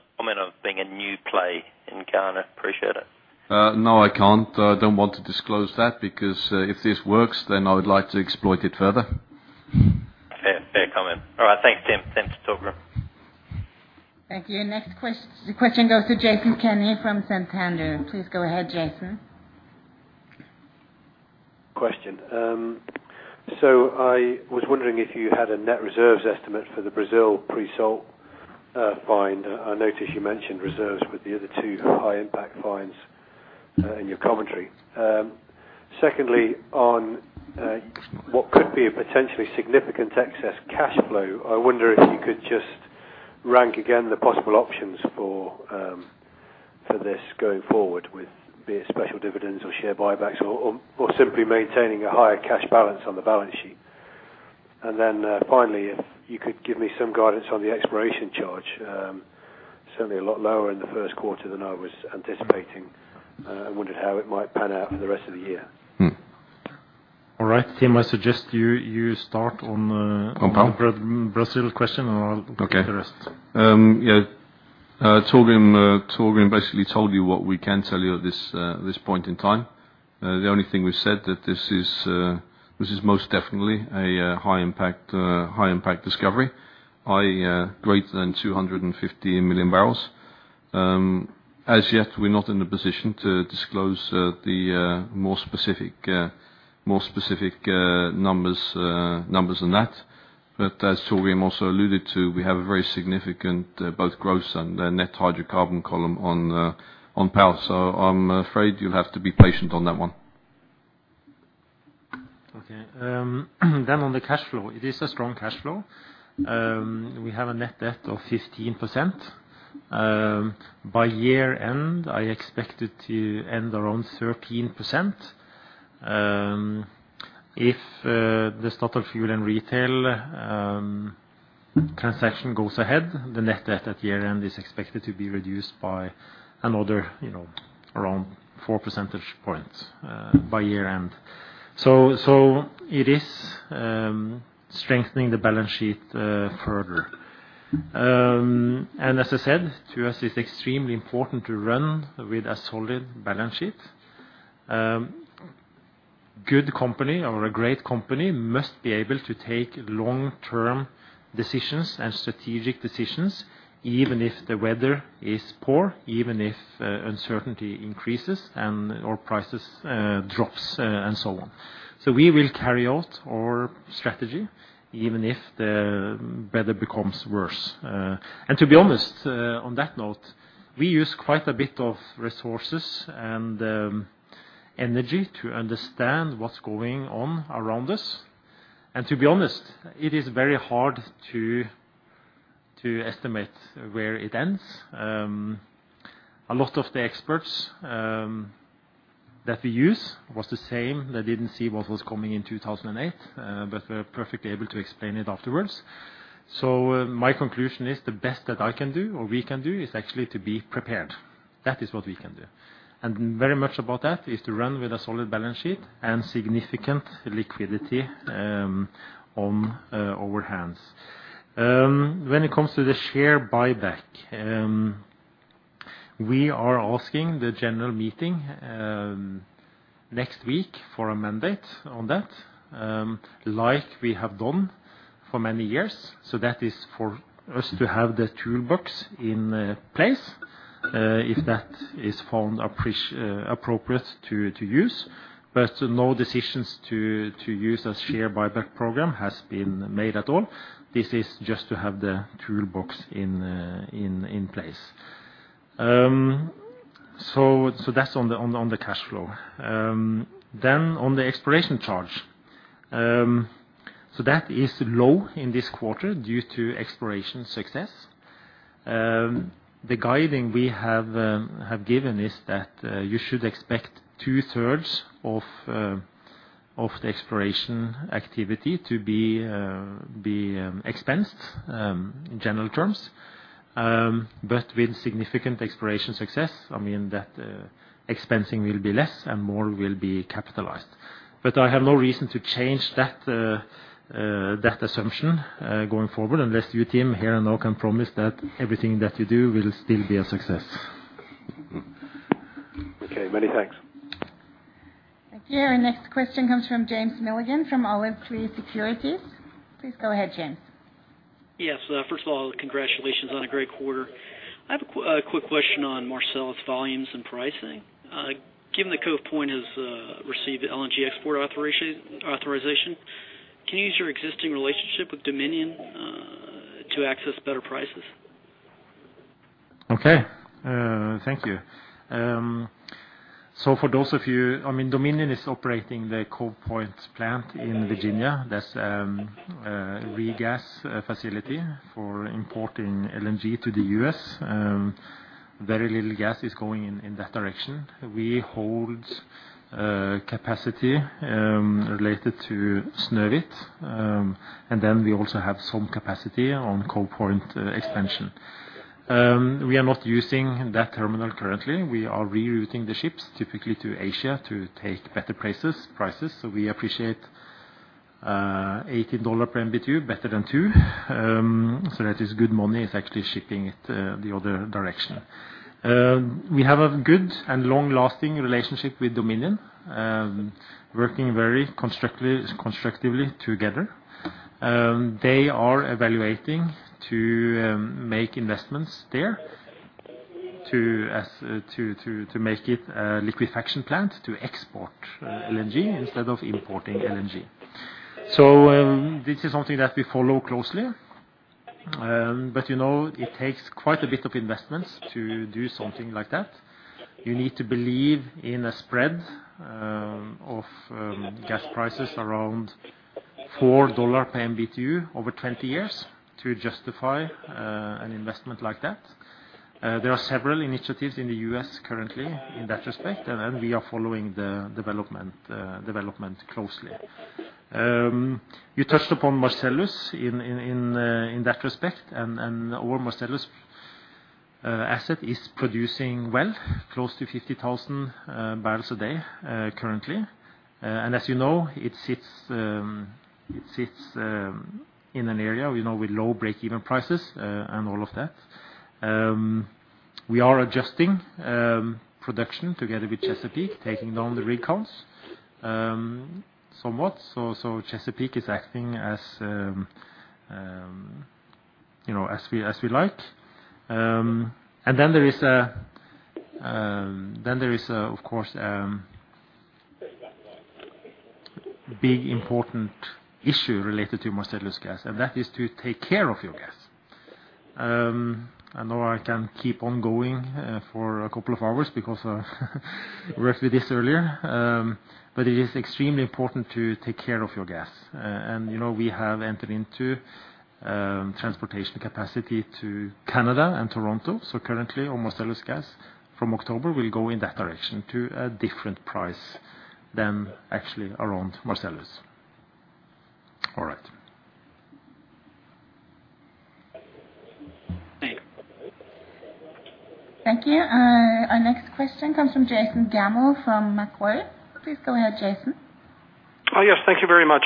a new play in Ghana. Appreciate it. No, I can't. I don't want to disclose that because, if this works, then I would like to exploit it further. Fair. Fair comment. All right. Thanks, Tim. Thanks, Torgrim. Thank you. Next question goes to Jason Sch from Santander. Please go ahead, Jason. I was wondering if you had a net reserves estimate for the Brazil pre-salt find? I noticed you mentioned reserves with the other two high impact finds in your commentary. Secondly, on what could be a potentially significant excess cash flow, I wonder if you could just rank again the possible options for this going forward with be it special dividends or share buybacks or simply maintaining a higher cash balance on the balance sheet. Finally, if you could give me some guidance on the exploration charge. Certainly a lot lower in the first quarter than I was anticipating. I wondered how it might pan out for the rest of the year. Mm-hmm. All right, Tim, I suggest you start on. On PDA? on the Brazil question, and I'll take the rest. Okay. Yeah, Torgrim basically told you what we can tell you at this point in time. The only thing we've said that this is most definitely a high impact discovery, i.e., greater than 250 million barrels. As yet, we're not in a position to disclose the more specific numbers than that. As Torgrim also alluded to, we have a very significant, both gross and net hydrocarbon column on PDA, so I'm afraid you'll have to be patient on that one. Okay. On the cash flow. It is a strong cash flow. We have a net debt of 15%. By year-end, I expect it to end around 13%. If the Statoil Fuel & Retail transaction goes ahead, the net debt at year-end is expected to be reduced by another, you know, around 4 percentage points by year-end. It is strengthening the balance sheet further. As I said, to us, it's extremely important to run with a solid balance sheet. Good company or a great company must be able to take long-term decisions and strategic decisions, even if the weather is poor, even if uncertainty increases and/or prices drop, and so on. We will carry out our strategy even if the weather becomes worse. To be honest, on that note, we use quite a bit of resources and energy to understand what's going on around us. To be honest, it is very hard to estimate where it ends. A lot of the experts that we use was the same that didn't see what was coming in 2008, but were perfectly able to explain it afterwards. My conclusion is the best that I can do or we can do is actually to be prepared. That is what we can do. Very much about that is to run with a solid balance sheet and significant liquidity on our hands. When it comes to the share buyback, we are asking the general meeting next week for a mandate on that, like we have done for many years. That is for us to have the toolbox in place if that is found appropriate to use. No decisions to use a share buyback program has been made at all. This is just to have the toolbox in place. That's on the cash flow. Then on the exploration charge. That is low in this quarter due to exploration success. The guiding we have given is that you should expect two-thirds of the exploration activity to be expensed in general terms. With significant exploration success, I mean that expensing will be less and more will be capitalized. I have no reason to change that assumption going forward, unless you, Tim, here and now can promise that everything that you do will still be a success. Okay. Many thanks. Thank you. Our next question comes from James Milligan from Olive Tree Securities. Please go ahead, James. Yes. First of all, congratulations on a great quarter. I have a quick question on Marcellus volumes and pricing. Given that Cove Point has received the LNG export authorization, can you use your existing relationship with Dominion to access better prices? Okay. Thank you. Dominion Energy is operating the Cove Point plant in Virginia. That's a regas facility for importing LNG to the U.S. Very little gas is going in that direction. We hold capacity related to Snøhvit. We also have some capacity on Cove Point expansion. We are not using that terminal currently. We are rerouting the ships typically to Asia to take better prices. We appreciate $80 per MMBtu, better than $2. That is good money. It's actually shipping it the other direction. We have a good and long-lasting relationship with Dominion Energy, working very constructively together. They are evaluating to make investments there to make it a liquefaction plant to export LNG instead of importing LNG. This is something that we follow closely. You know, it takes quite a bit of investments to do something like that. You need to believe in a spread of gas prices around $4 per MMBtu over 20 years to justify an investment like that. There are several initiatives in the U.S. currently in that respect, and then we are following the development closely. You touched upon Marcellus in that respect and our Marcellus asset is producing well, close to 50,000 barrels a day currently. As you know, it sits in an area, you know, with low break-even prices and all of that. We are adjusting production together with Chesapeake, taking down the rig counts somewhat. Chesapeake is acting as, you know, as we like. Then there is a, of course, big, important issue related to Marcellus gas, and that is to take care of your gas. I know I can keep on going for a couple of hours because I worked with this earlier. It is extremely important to take care of your gas. You know, we have entered into transportation capacity to Canada and Toronto. Currently our Marcellus gas from October will go in that direction to a different price than actually around Marcellus. All right. Thank you. Our next question comes from Jason Gammell from Macquarie. Please go ahead, Jason. Oh, yes. Thank you very much.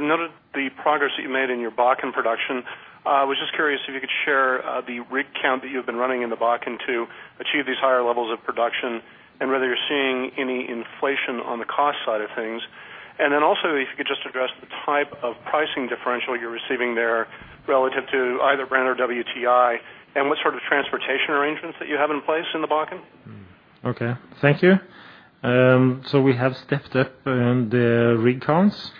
Noted the progress that you made in your Bakken production. Was just curious if you could share the rig count that you've been running in the Bakken to achieve these higher levels of production and whether you're seeing any inflation on the cost side of things. Also if you could just address the type of pricing differential you're receiving there relative to either Brent or WTI, and what sort of transportation arrangements that you have in place in the Bakken. Okay. Thank you. We have stepped up the rig counts.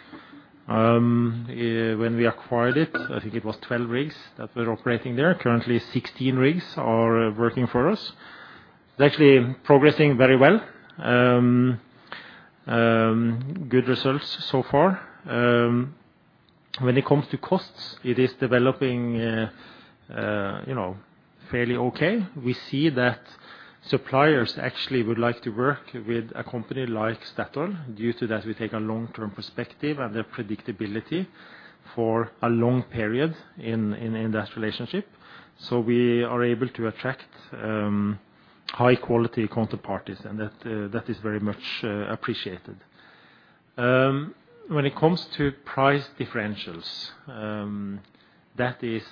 When we acquired it, I think it was 12 rigs that were operating there. Currently 16 rigs are working for us. It's actually progressing very well. Good results so far. When it comes to costs, it is developing, you know, fairly okay. We see that suppliers actually would like to work with a company like Statoil due to that we take a long-term perspective and the predictability for a long period in that relationship. We are able to attract high-quality counterparties, and that is very much appreciated. When it comes to price differentials, that is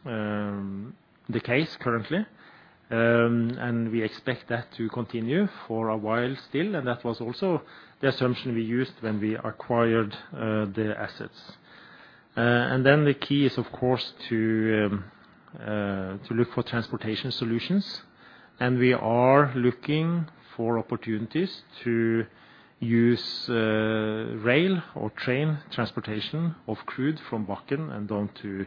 the case currently. We expect that to continue for a while still, and that was also the assumption we used when we acquired the assets. The key is of course to look for transportation solutions, and we are looking for opportunities to use rail or train transportation of crude from Bakken and down to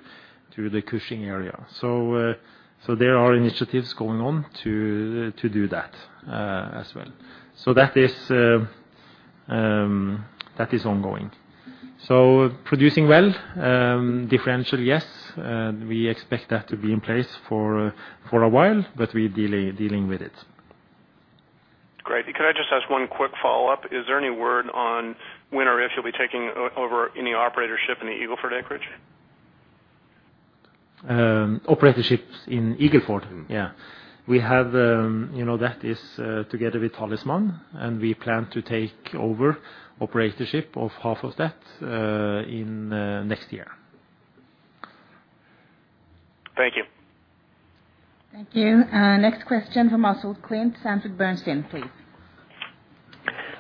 the Cushing area. There are initiatives going on to do that as well. That is ongoing. Producing well differential, yes, we expect that to be in place for a while, but we're dealing with it. Great. Could I just ask one quick follow-up? Is there any word on when or if you'll be taking over any operatorship in the Eagle Ford acreage? Operatorships in Eagle Ford? Yeah. We have, you know, that is, together with Talisman, and we plan to take over operatorship of half of that in next year. Thank you. Thank you. Next question from ourselves, Oswald Clint, Sanford C. Bernstein, please.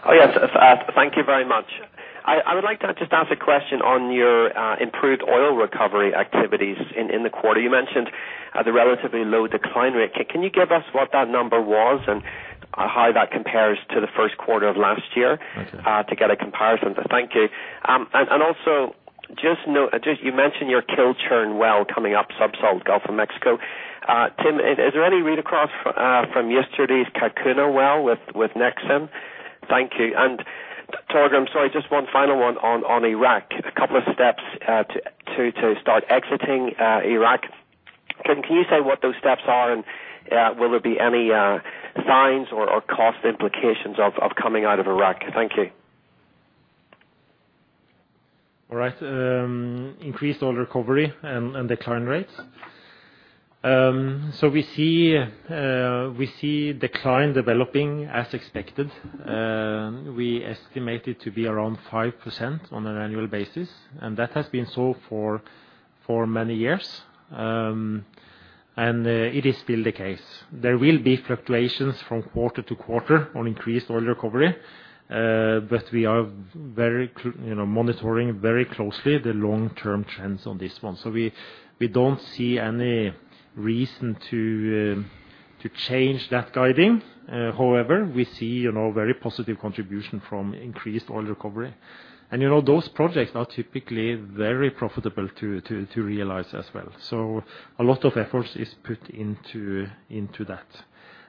Oh, yes. Thank you very much. I would like to just ask a question on your improved oil recovery activities in the quarter. You mentioned the relatively low decline rate. Can you give us what that number was and how that compares to the first quarter of last year? I see. To get a comparison? Thank you. Just you mentioned your Kilchurn well coming up sub-salt Gulf of Mexico. Tim, is there any read across from yesterday's Kakuna well with Nexen? Thank you. Torge, I'm sorry, just one final one on Iraq. A couple of steps to start exiting Iraq. Tim, can you say what those steps are, and will there be any fines or cost implications of coming out of Iraq? Thank you. All right, increased oil recovery and decline rates. We see decline developing as expected. We estimate it to be around 5% on an annual basis, and that has been so for many years. It is still the case. There will be fluctuations from quarter to quarter on increased oil recovery, but we are, you know, monitoring very closely the long-term trends on this one. We don't see any reason to change that guidance. However, we see, you know, very positive contribution from increased oil recovery. You know, those projects are typically very profitable to realize as well. A lot of efforts is put into that.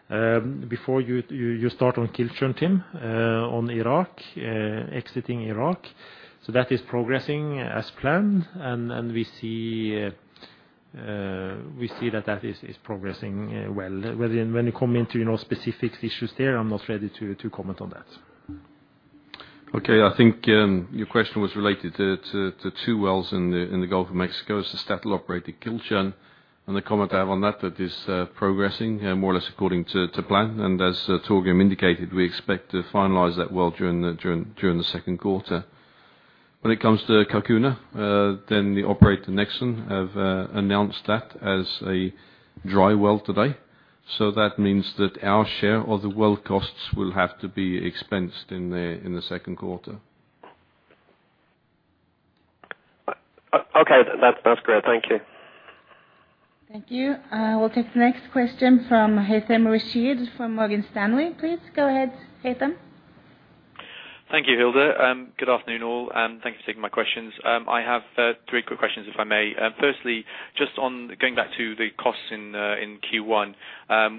Before you start on Kilchurn, Tim, on Iraq, exiting Iraq. That is progressing as planned, and we see that is progressing well. When you come into, you know, specific issues there, I'm not ready to comment on that. Okay. I think your question was related to two wells in the Gulf of Mexico. Statoil operated Kilchurn, and the comment I have on that is progressing more or less according to plan. As Torgrim Reitan indicated, we expect to finalize that well during the second quarter. When it comes to Kakuna, then the operator, Nexen, have announced that as a dry well today. That means that our share of the well costs will have to be expensed in the second quarter. Okay. That's clear. Thank you. Thank you. We'll take the next question from Haythem Rashed from Morgan Stanley. Please go ahead, Haythem. Thank you, Hilde Nafstad. Good afternoon, all, and thank you for taking my questions. I have three quick questions, if I may. Firstly, just on going back to the costs in Q1,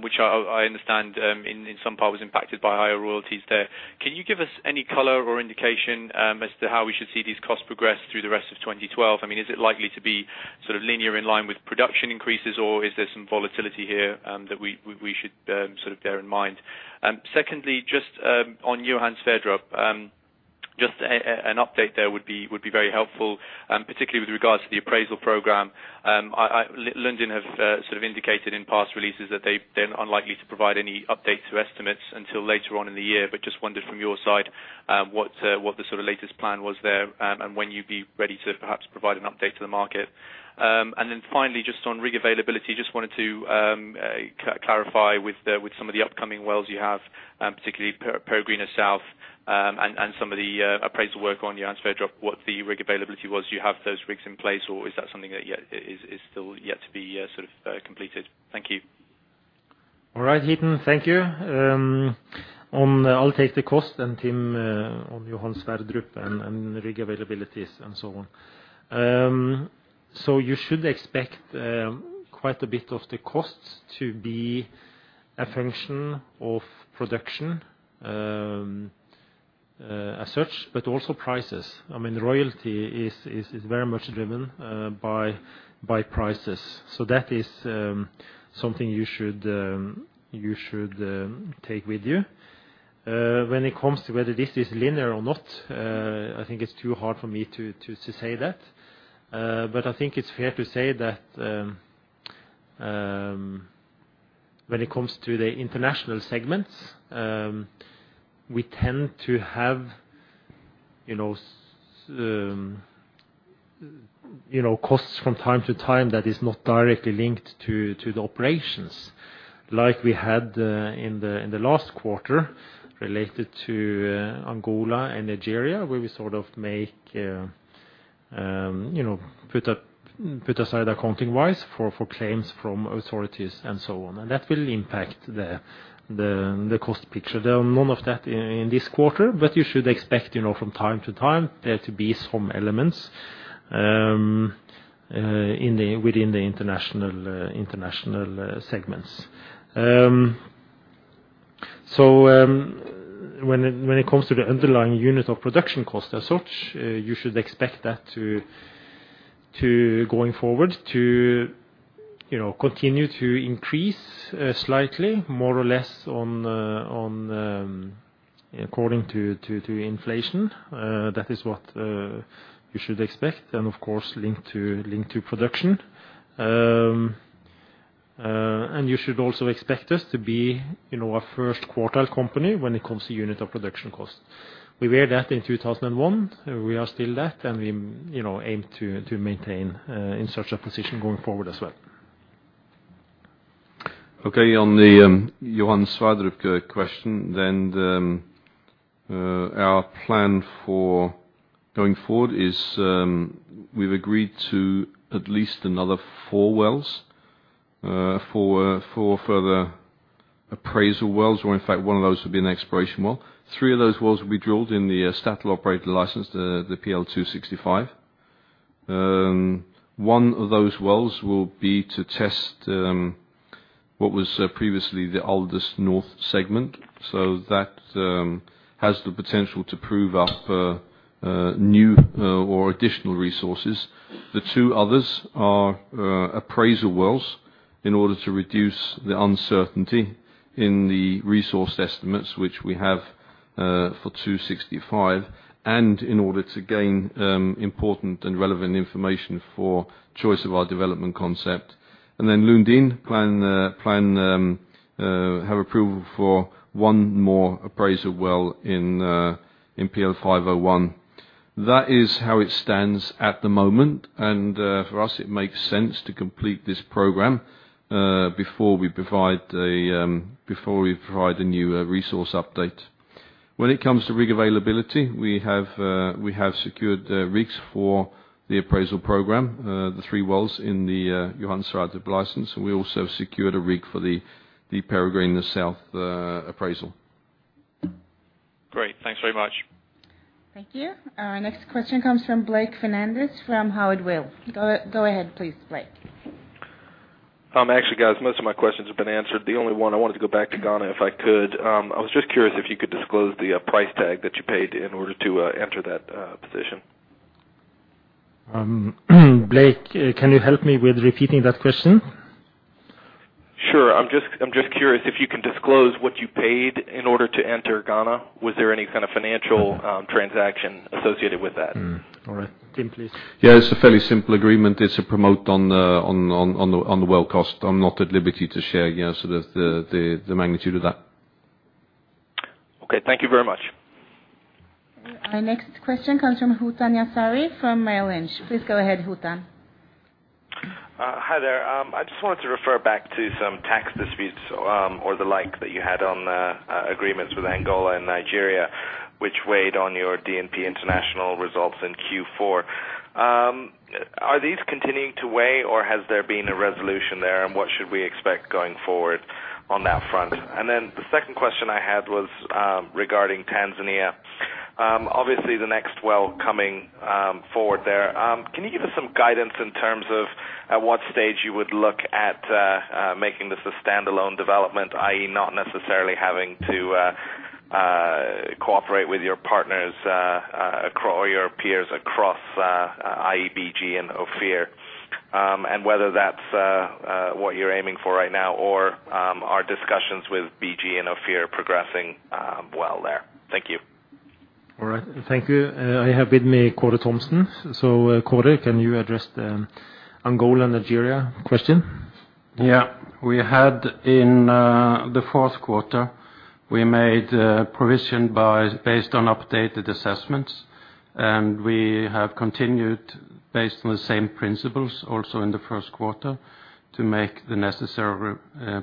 which I understand in some part was impacted by higher royalties there. Can you give us any color or indication as to how we should see these costs progress through the rest of 2012? I mean, is it likely to be sort of linear in line with production increases, or is there some volatility here that we should sort of bear in mind? Secondly, just on Johan Sverdrup, just an update there would be very helpful, particularly with regards to the appraisal program. I... Lundin have sort of indicated in past releases that they're unlikely to provide any update to estimates until later on in the year, but just wondered from your side what the sort of latest plan was there and when you'd be ready to perhaps provide an update to the market. And then finally, just on rig availability, just wanted to clarify with some of the upcoming wells you have, particularly Peregrine South, and some of the appraisal work on Johan Sverdrup, what the rig availability was. Do you have those rigs in place, or is that something that yeah is still yet to be sort of completed? Thank you. All right, Haytham. Thank you. I'll take the cost, and Tim, on Johan Sverdrup and rig availabilities and so on. You should expect quite a bit of the costs to be a function of production, as such, but also prices. I mean, royalty is very much driven by prices. That is something you should take with you. When it comes to whether this is linear or not, I think it's too hard for me to say that. I think it's fair to say that when it comes to the international segments, we tend to have, you know, costs from time to time that is not directly linked to the operations. Like we had in the last quarter related to Angola and Nigeria, where we sort of you know put aside accounting-wise for claims from authorities and so on. That will impact the cost picture. There are none of that in this quarter, but you should expect you know from time to time there to be some elements within the international segments. When it comes to the underlying unit of production costs as such, you should expect that to going forward you know continue to increase slightly more or less on according to inflation. That is what you should expect and of course linked to production. You should also expect us to be, you know, a first quartile company when it comes to unit of production costs. We were that in 2001. We are still that, and we, you know, aim to maintain in such a position going forward as well. On the Johan Sverdrup question, our plan for going forward is we've agreed to at least another four wells for further appraisal wells, or in fact, one of those will be an exploration well. Three of those wells will be drilled in the Statoil operator license, the PL 265. One of those wells will be to test what was previously the Aldous North segment. That has the potential to prove up new or additional resources. The two others are appraisal wells. In order to reduce the uncertainty in the resource estimates which we have for 265, and in order to gain important and relevant information for choice of our development concept. Lundin Petroleum has approval for 1 more appraisal well in PL 501. That is how it stands at the moment, and for us, it makes sense to complete this program before we provide a new resource update. When it comes to rig availability, we have secured rigs for the appraisal program, the three wells in the Johan Sverdrup license. We also secured a rig for the Peregrine South appraisal. Great. Thanks very much. Thank you. Next question comes from Blake Fernandez from Howard Weil. Go ahead, please, Blake. Actually guys, most of my questions have been answered. The only one I wanted to go back to Ghana if I could. I was just curious if you could disclose the price tag that you paid in order to enter that position. Blake, can you help me with repeating that question? Sure. I'm just curious if you can disclose what you paid in order to enter Ghana. Was there any kind of financial- Mm-hmm. Transaction associated with that? All right. Tim, please. Yeah. It's a fairly simple agreement. It's a promote on the well cost. I'm not at liberty to share, yeah, so the magnitude of that. Okay. Thank you very much. Our next question comes from Hootan Yazhari from Merrill Lynch. Please go ahead, Hootan. Hi there. I just wanted to refer back to some tax disputes, or the like that you had on agreements with Angola and Nigeria, which weighed on your DPN international results in Q4. Are these continuing to weigh, or has there been a resolution there? What should we expect going forward on that front? The second question I had was regarding Tanzania. Obviously the next well coming forward there. Can you give us some guidance in terms of at what stage you would look at making this a standalone development, i.e., not necessarily having to cooperate with your partners or your peers across i.e., BG and Ophir? Whether that's what you're aiming for right now, or are discussions with BG and Ophir progressing well there? Thank you. All right. Thank you. I have with me Kåre Thommessen. Kåre, can you address the Angola, Nigeria question? Yeah. We had in the fourth quarter we made a provision based on updated assessments, and we have continued based on the same principles also in the first quarter to make the necessary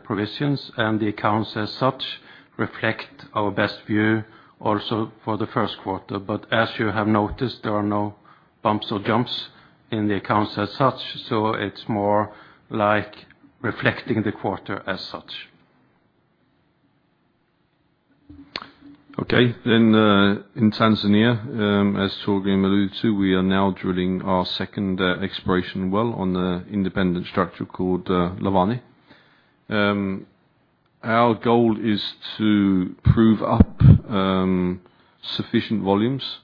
provisions. The accounts as such reflect our best view also for the first quarter. As you have noticed, there are no bumps or jumps in the accounts as such, so it's more like reflecting the quarter as such. Okay. In Tanzania, as Torgrim alluded to, we are now drilling our second exploration well on the independent structure called Lavani. Our goal is to prove up sufficient volumes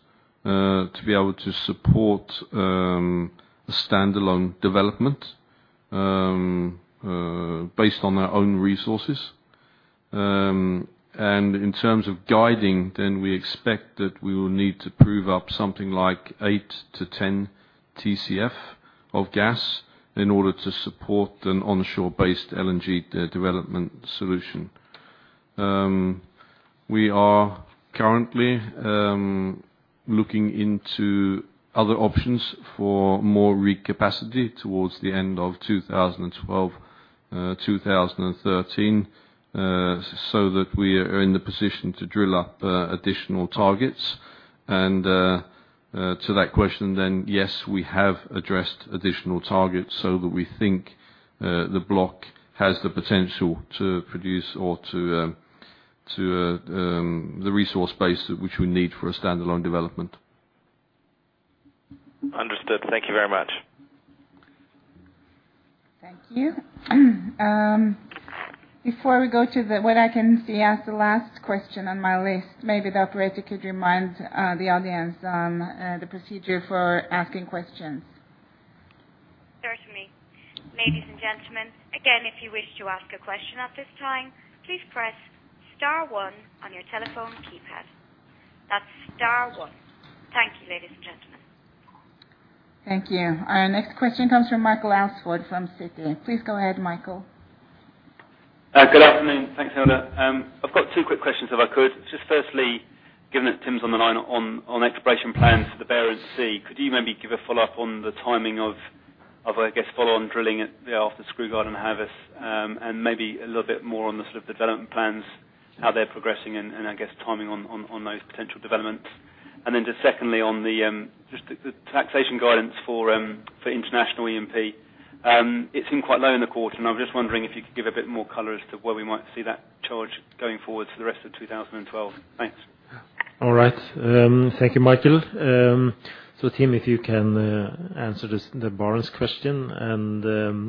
to be able to support a standalone development based on our own resources. In terms of guiding, then we expect that we will need to prove up something like 8-10 TCF of gas in order to support an onshore-based LNG development solution. We are currently looking into other options for more rig capacity towards the end of 2012, 2013, so that we are in the position to drill up additional targets. To that question, then, yes, we have addressed additional targets so that we think the block has the potential to produce or to the resource base which we need for a standalone development. Understood. Thank you very much. Thank you. Before we go to what I can see as the last question on my list, maybe the operator could remind the audience on the procedure for asking questions. Certainly. Ladies and gentlemen, again, if you wish to ask a question at this time, please press star one on your telephone keypad. That's star one. Thank you, ladies and gentlemen. Thank you. Our next question comes from Michael Alsford from Citi. Please go ahead, Michael. Good afternoon. Thanks, Hilde. I've got two quick questions if I could. Just firstly, given that Tim's on the line on exploration plans for the Barents Sea, could you maybe give a follow-up on the timing of I guess follow-on drilling after Skrugard and Havis, and maybe a little bit more on the sort of development plans, how they're progressing and I guess timing on those potential developments. Then just secondly, on the taxation guidance for international E&P. It seemed quite low in the quarter, and I'm just wondering if you could give a bit more color as to where we might see that charge going forward for the rest of 2012. Thanks. All right. Thank you, Michael. Tim, if you can answer this, the Barents question and,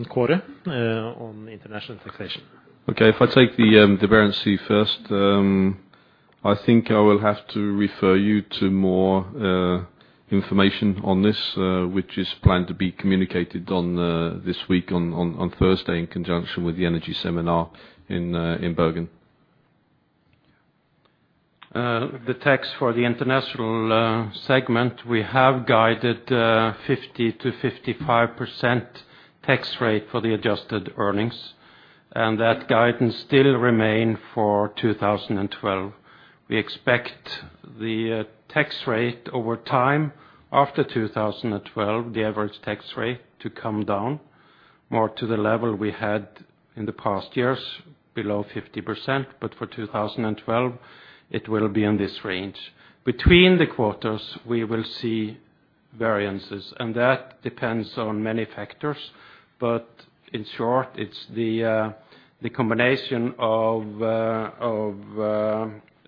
Kåre, on international taxation. Okay. If I take the Barents Sea first, I think I will have to refer you to more information on this, which is planned to be communicated this week on Thursday in conjunction with the energy seminar in Bergen. The tax for the international segment, we have guided 50%-55% tax rate for the adjusted earnings, and that guidance still remain for 2012. We expect the tax rate over time after 2012, the average tax rate to come down more to the level we had in the past years below 50%. For 2012, it will be in this range. Between the quarters, we will see variances, and that depends on many factors. In short, it's the combination of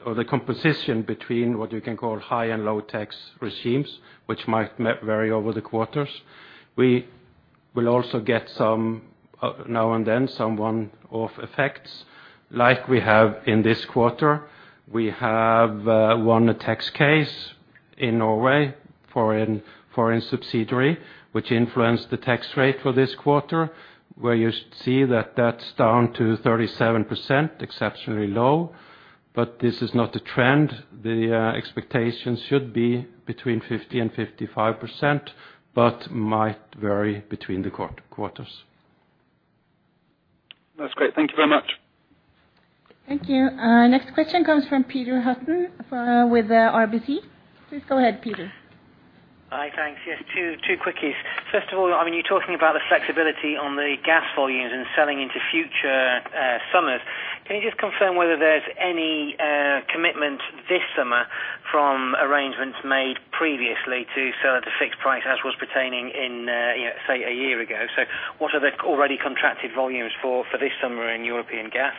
or the composition between what you can call high and low tax regimes, which might vary over the quarters. We will also get some now and then, some one-off effects like we have in this quarter. We have won a tax case in Norway for a foreign subsidiary which influenced the tax rate for this quarter, where you see that that's down to 37%, exceptionally low. This is not a trend. The expectation should be between 50%-55%, but might vary between the quarters. That's great. Thank you very much. Thank you. Next question comes from Peter Hutton with RBC. Please go ahead, Peter. Hi, thanks. Yes, two quickies. First of all, I mean, you're talking about the flexibility on the gas volumes and selling into future summers. Can you just confirm whether there's any commitment this summer from arrangements made previously to sell at a fixed price as was pertaining in, you know, say, a year ago? What are the already contracted volumes for this summer in European gas?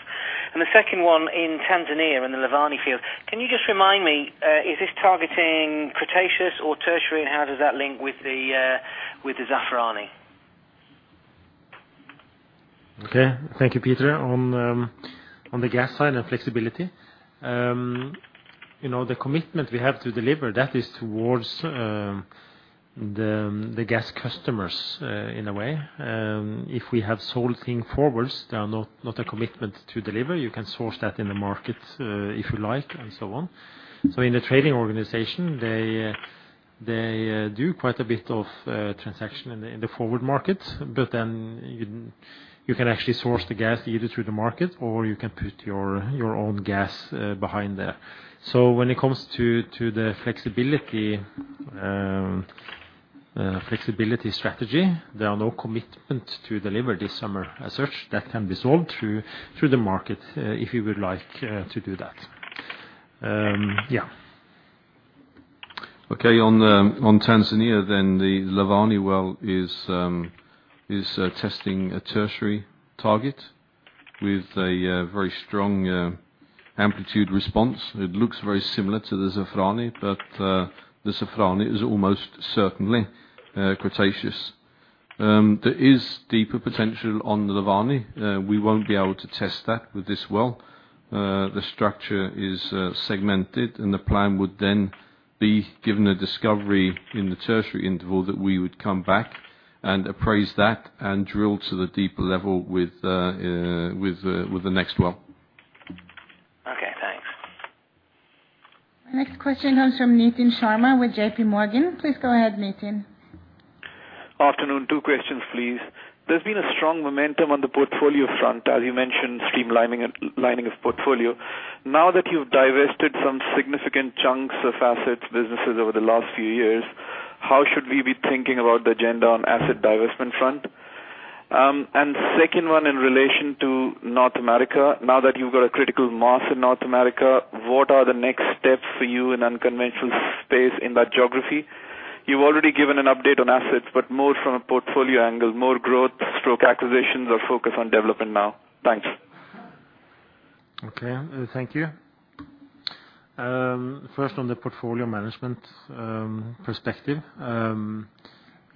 And the second one in Tanzania in the Lavani field, can you just remind me, is this targeting Cretaceous or Tertiary? How does that link with the Zafarani? Okay. Thank you, Peter. On the gas side and flexibility, you know the commitment we have to deliver that is towards the gas customers in a way, if we have sold things forwards, there are not a commitment to deliver. You can source that in the market, if you like and so on. In the trading organization, they do quite a bit of transaction in the forward market, but then you can actually source the gas either through the market or you can put your own gas behind there. When it comes to the flexibility strategy, there are no commitment to deliver this summer as such that can be sold through the market, if you would like to do that. Yeah. Okay. On Tanzania, the Lavani Well is testing a Tertiary target with a very strong amplitude response. It looks very similar to the Zafarani, but the Zafarani is almost certainly Cretaceous. There is deeper potential on the Lavani. We won't be able to test that with this well. The structure is segmented, and the plan would then be given a discovery in the Tertiary interval that we would come back and appraise that and drill to the deeper level with the next well. Okay, thanks. Next question comes from Nitin Sharma with JP Morgan. Please go ahead, Nitin. Afternoon. Two questions, please. There's been a strong momentum on the portfolio front, as you mentioned, streamlining, lining of portfolio. Now that you've divested some significant chunks of assets, businesses over the last few years, how should we be thinking about the agenda on asset divestment front? Second one in relation to North America. Now that you've got a critical mass in North America, what are the next steps for you in unconventional space in that geography? You've already given an update on assets, but more from a portfolio angle, more growth or acquisitions or focus on development now. Thanks. Okay. Thank you. First, on the portfolio management perspective, you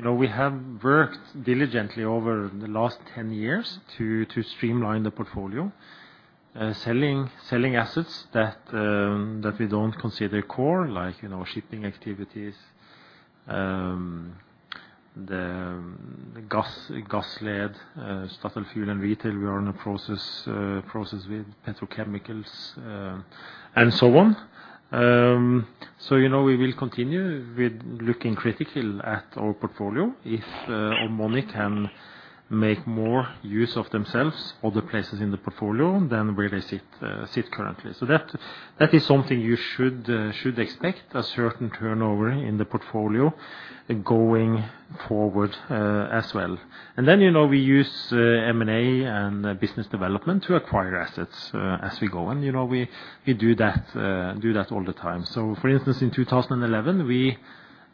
know, we have worked diligently over the last 10 years to streamline the portfolio, selling assets that we don't consider core, like, you know, shipping activities, Gassled, Statoil Fuel & Retail. We are in a process with petrochemicals, and so on. So you know, we will continue with looking critically at our portfolio if money can make more use of themselves other places in the portfolio than where they sit currently. That is something you should expect a certain turnover in the portfolio going forward, as well. Then, you know, we use M&A and business development to acquire assets, as we go. You know, we do that all the time. For instance, in 2011, we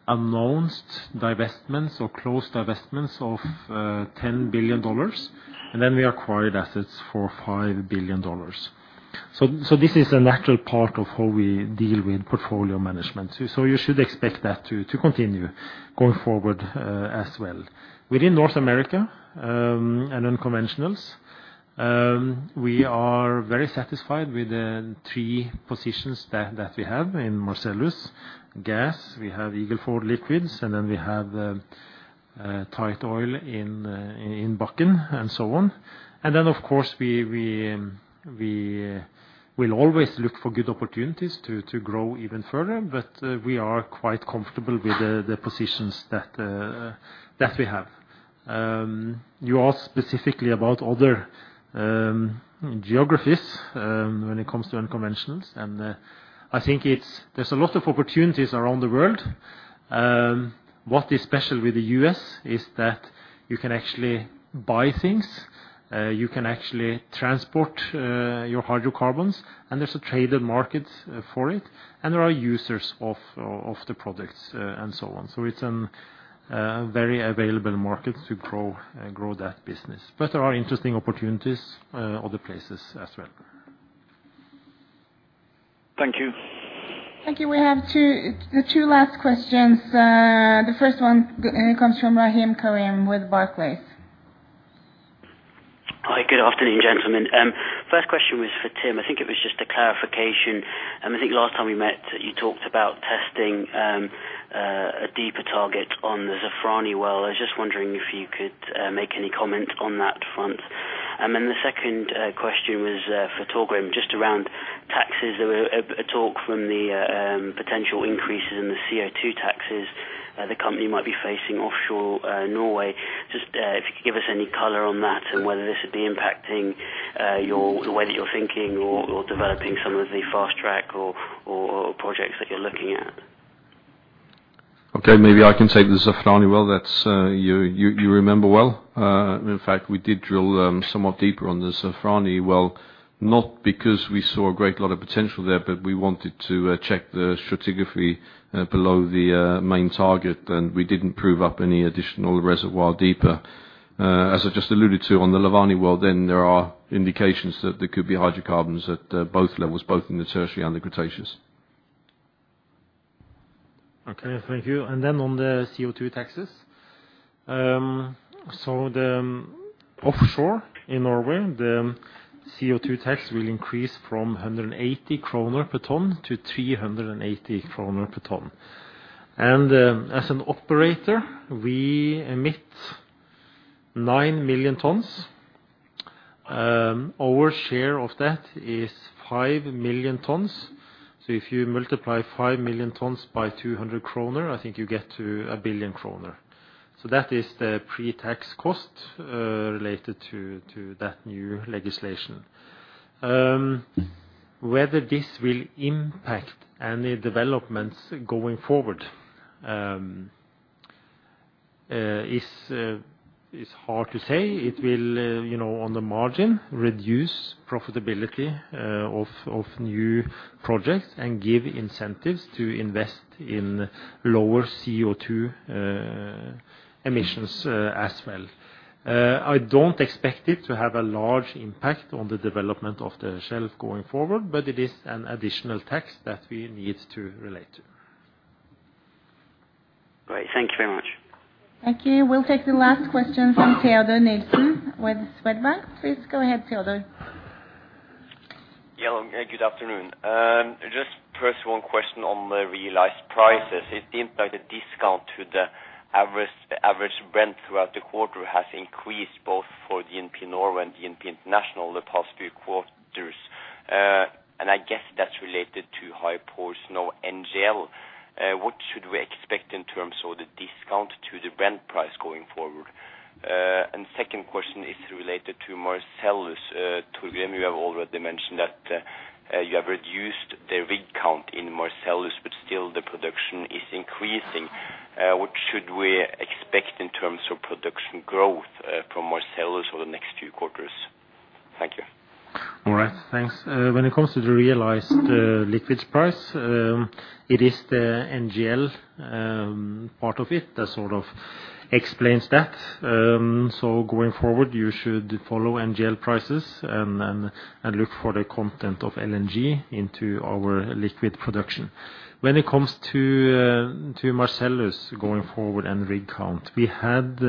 announced divestments or closed divestments of $10 billion, and then we acquired assets for $5 billion. This is a natural part of how we deal with portfolio management. You should expect that to continue going forward as well. Within North America and unconventionals, we are very satisfied with the three positions that we have in Marcellus gas. We have Eagle Ford liquids, and then we have tight oil in Bakken and so on. Then, of course, we will always look for good opportunities to grow even further, but we are quite comfortable with the positions that we have. You asked specifically about other geographies when it comes to unconventionals. I think there's a lot of opportunities around the world. What is special with the U.S. is that you can actually buy things, you can actually transport your hydrocarbons, and there's a traded market for it, and there are users of the products, and so on. It's a very available market to grow that business. There are interesting opportunities in other places as well. Thank you. Thank you. We have the two last questions. The first one comes from Rahim Karim with Barclays. Hi. Good afternoon, gentlemen. First question was for Tim. I think it was just a clarification. I think last time we met, you talked about testing a deeper target on the Zafarani well. I was just wondering if you could make any comment on that front. The second question was for Torgrim, just around taxes. There was a talk from the potential increases in the CO₂ taxes the company might be facing offshore Norway. Just if you could give us any color on that and whether this would be impacting the way that you're thinking or developing some of the fast-track or projects that you're looking at. Okay. Maybe I can take the Zafarani well. That's you remember well. In fact, we did drill somewhat deeper on the Zafarani well, not because we saw a great lot of potential there, but we wanted to check the stratigraphy below the main target, and we didn't prove up any additional reservoir deeper. As I just alluded to on the Lavani well, then there are indications that there could be hydrocarbons at both levels, both in the Tertiary and the Cretaceous. Okay, thank you. Then on the CO₂ taxes. The offshore in Norway, the CO₂ tax will increase from 180 kroner per ton to 380 kroner per ton. As an operator, we emit 9 million tons. Our share of that is 5 million tons. If you multiply 5 million tons by 200 kroner, I think you get to 1 billion kroner. That is the pre-tax cost related to that new legislation. Whether this will impact any developments going forward is hard to say. It will, you know, on the margin, reduce profitability of new projects and give incentives to invest in lower CO₂ emissions as well. I don't expect it to have a large impact on the development of the shelf going forward, but it is an additional tax that we need to relate to. Great. Thank you very much. Thank you. We'll take the last question from Teodor Nilsen with Swedbank. Please go ahead, Teodor. Yeah. Good afternoon. Just first one question on the realized prices. It seems like the discount to the average Brent throughout the quarter has increased both for the DPN Norway and the International the past few quarters. I guess that's related to high ethane NGL. What should we expect in terms of the discount to the Brent price going forward? Second question is related to Marcellus. Torgrim, you have already mentioned that you have reduced the rig count in Marcellus, but still the production is increasing. What should we expect in terms of production growth from Marcellus for the next two quarters? Thank you. All right. Thanks. When it comes to the realized liquids price, it is the NGL part of it that sort of explains that. Going forward, you should follow NGL prices and look for the content of LNG into our liquid production. When it comes to Marcellus going forward and rig count, we had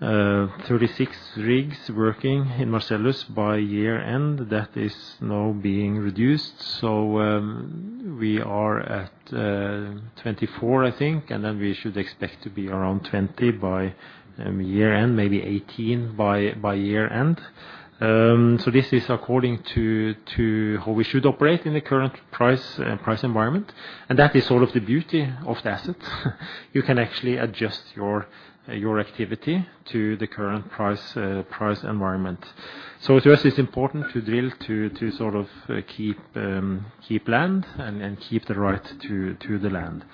36 rigs working in Marcellus by year-end. That is now being reduced. We are at 24, I think, and then we should expect to be around 20 by year-end, maybe 18 by year-end. This is according to how we should operate in the current price environment. That is sort of the beauty of the asset. You can actually adjust your activity to the current price environment. To us, it's important to drill to sort of keep land and keep the right to the land.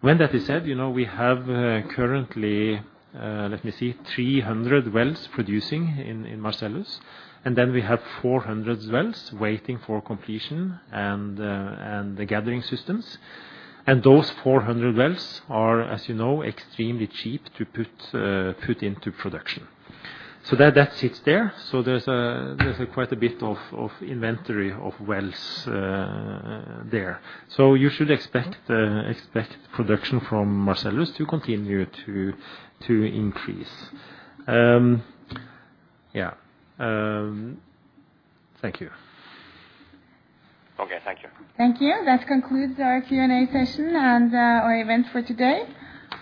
When that is said, you know, we have currently, let me see, 300 wells producing in Marcellus, and then we have 400 wells waiting for completion and the gathering systems. Those 400 wells are, as you know, extremely cheap to put into production. That sits there. There's quite a bit of inventory of wells there. You should expect production from Marcellus to continue to increase. Yeah. Thank you. Okay. Thank you. Thank you. That concludes our Q&A session and our event for today.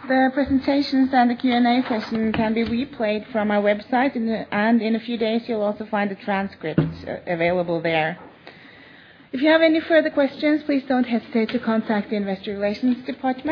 The presentations and the Q&A session can be replayed from our website and in a few days you'll also find the transcript available there. If you have any further questions, please don't hesitate to contact the investor relations department.